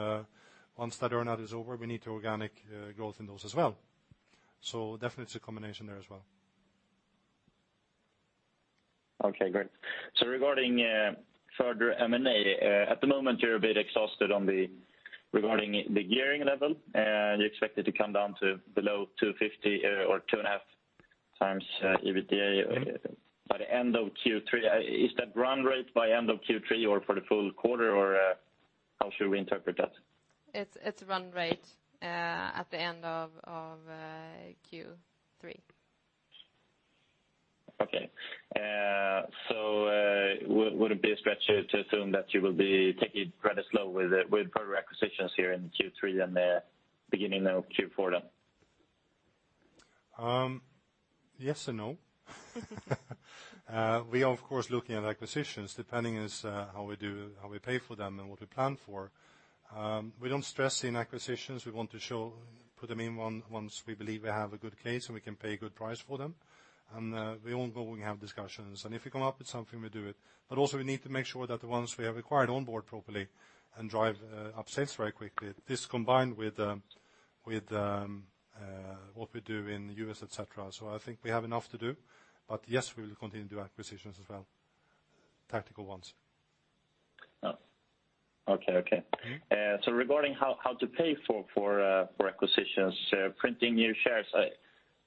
once that earn-out is over, we need to organic growth in those as well. Definitely it's a combination there as well. Okay, great. Regarding further M&A, at the moment you're a bit exhausted regarding the gearing level, you expect it to come down to below 250 or two and a half times EBITDA by the end of Q3. Is that run rate by end of Q3 or for the full quarter, or how should we interpret that? It's run rate at the end of Q3. Would it be a stretch to assume that you will be taking it rather slow with further acquisitions here in Q3 and the beginning of Q4? Yes and no. We are, of course, looking at acquisitions, depending as how we pay for them and what we plan for. We don't stress in acquisitions. We want to put them in once we believe we have a good case, and we can pay a good price for them. We ongoing have discussions. If we come up with something, we do it. Also we need to make sure that the ones we have acquired onboard properly and drive upsets very quickly. This combined with what we do in the U.S., et cetera. I think we have enough to do. Yes, we will continue to do acquisitions as well, tactical ones. Regarding how to pay for acquisitions, printing new shares,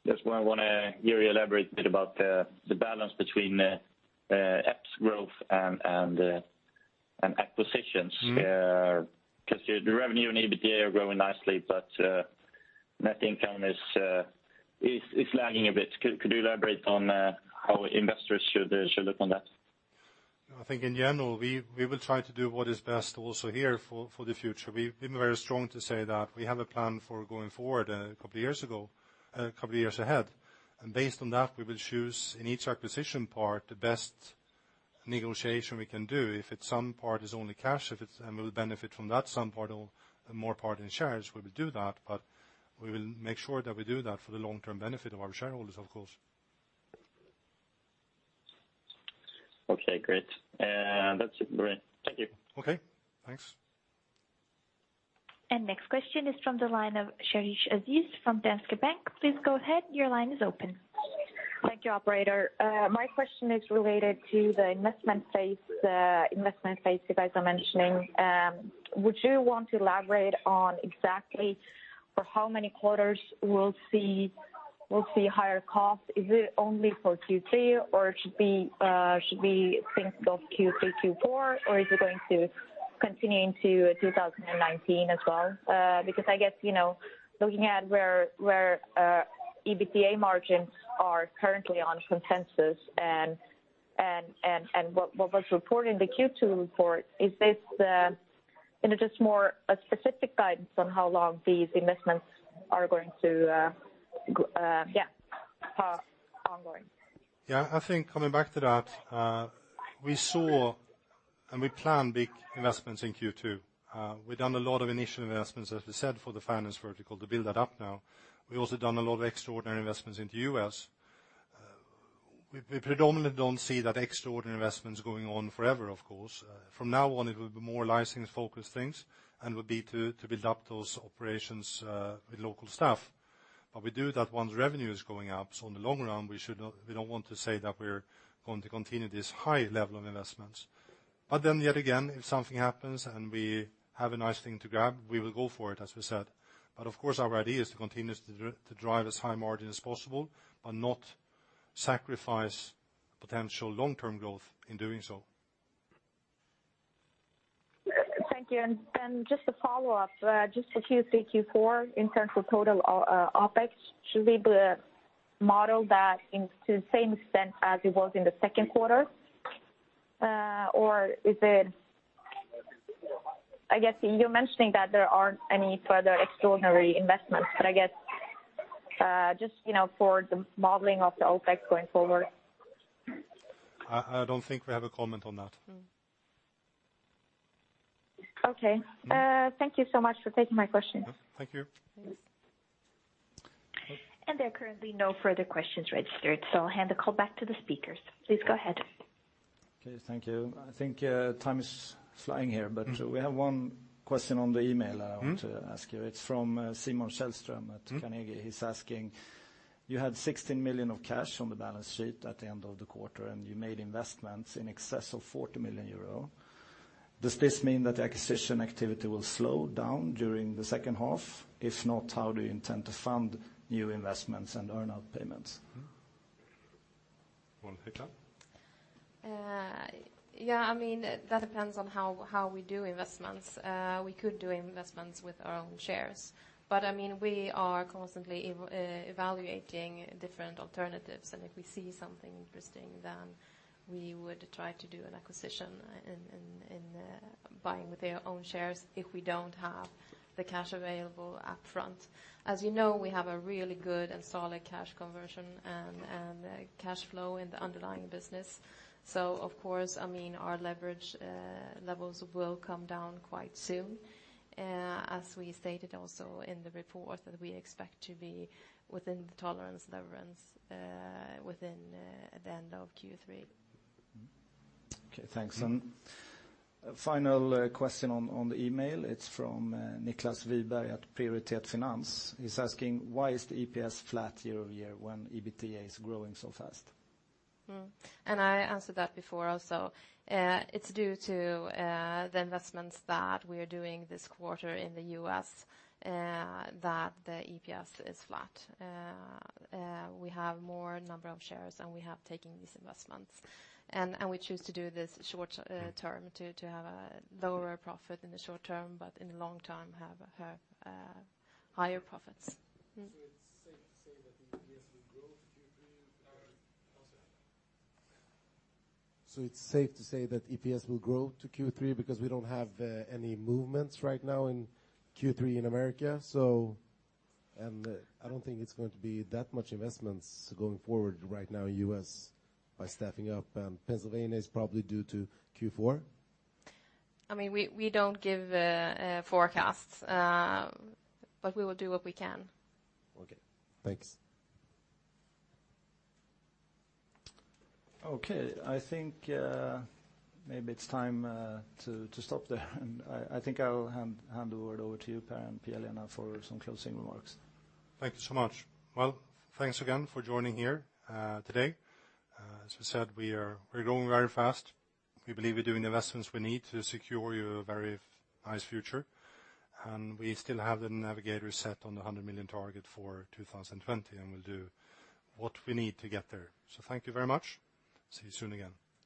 that's why I want to hear you elaborate a bit about the balance between EPS growth and acquisitions. The revenue and EBITDA are growing nicely, but net income is lagging a bit. Could you elaborate on how investors should look on that? I think in general, we will try to do what is best also here for the future. We've been very strong to say that we have a plan for going forward a couple of years ahead. Based on that, we will choose in each acquisition part the best negotiation we can do. If it's some part is only cash, we'll benefit from that, some part or more part in shares, we will do that, but we will make sure that we do that for the long-term benefit of our shareholders, of course. Okay, great. That's it. [INAUDIBLE] Thank you. Okay, thanks. Next question is from the line of Haris Aziz from Danske Bank. Please go ahead, your line is open. Thank you, operator. My question is related to the investment phase you guys are mentioning. Would you want to elaborate on exactly for how many quarters we'll see higher costs? Is it only for Q3, or should be think of Q3, Q4? Or is it going to continue into 2019 as well? Because I guess, looking at where EBITDA margins are currently on consensus and what was reported in the Q2 report, it is more a specific guidance on how long these investments are going to, ongoing. I think coming back to that, we saw and we planned big investments in Q2. We've done a lot of initial investments, as we said, for the finance vertical to build that up now. We've also done a lot of extraordinary investments in the U.S. We predominantly don't see that extraordinary investments going on forever, of course. From now on, it will be more license-focused things and will be to build up those operations with local staff. We do that once revenue is going up, so in the long run, we don't want to say that we're going to continue this high level of investments. Yet again, if something happens and we have a nice thing to grab, we will go for it, as we said. Of course our idea is to continuously to drive as high margin as possible, but not sacrifice potential long-term growth in doing so. Thank you. Just a follow-up, just for Q3, Q4 in terms of total OpEx, should we model that into the same extent as it was in the second quarter? I guess you're mentioning that there aren't any further extraordinary investments, but I guess, just for the modeling of the OpEx going forward. I don't think we have a comment on that. Okay. Thank you so much for taking my question. Thank you. Yes. There are currently no further questions registered, so I'll hand the call back to the speakers. Please go ahead. Okay, thank you. I think time is flying here, but we have one question on the email I want to ask you. It is from Simon Sällström at Carnegie. He is asking, you had 16 million of cash on the balance sheet at the end of the quarter, and you made investments in excess of 40 million euro. Does this mean that acquisition activity will slow down during the second half? If not, how do you intend to fund new investments and earn-out payments? You want to take that? Yeah, that depends on how we do investments. We could do investments with our own shares, but we are constantly evaluating different alternatives, and if we see something interesting, then we would try to do an acquisition in buying with their own shares if we don't have the cash available up front. As you know, we have a really good and solid cash conversion and cash flow in the underlying business. Of course, our leverage levels will come down quite soon. As we stated also in the report, that we expect to be within the tolerance leverage within the end of Q3. Okay, thanks. Final question on the email, it's from Niklas Wiberg at Prioritet Finans. He's asking, why is the EPS flat year-over-year when EBITDA is growing so fast? I answered that before also. It's due to the investments that we are doing this quarter in the U.S. that the EPS is flat. We have more number of shares, and we have taken these investments. We choose to do this short-term to have a lower profit in the short term, but in the long term have higher profits. It's safe to say that EPS will grow to Q3 because we don't have any movements right now in Q3 in the U.S. I don't think it's going to be that much investments going forward right now U.S. by staffing up, Pennsylvania is probably due to Q4. We don't give forecasts, but we will do what we can. Okay, thanks. Okay, I think maybe it's time to stop there. I think I'll hand the word over to you, Per and Pia-Lena for some closing remarks. Thank you so much. Well, thanks again for joining here today. As we said, we're growing very fast. We believe we're doing the investments we need to secure you a very nice future. We still have the navigator set on the 100 million target for 2020, we'll do what we need to get there. Thank you very much. See you soon again.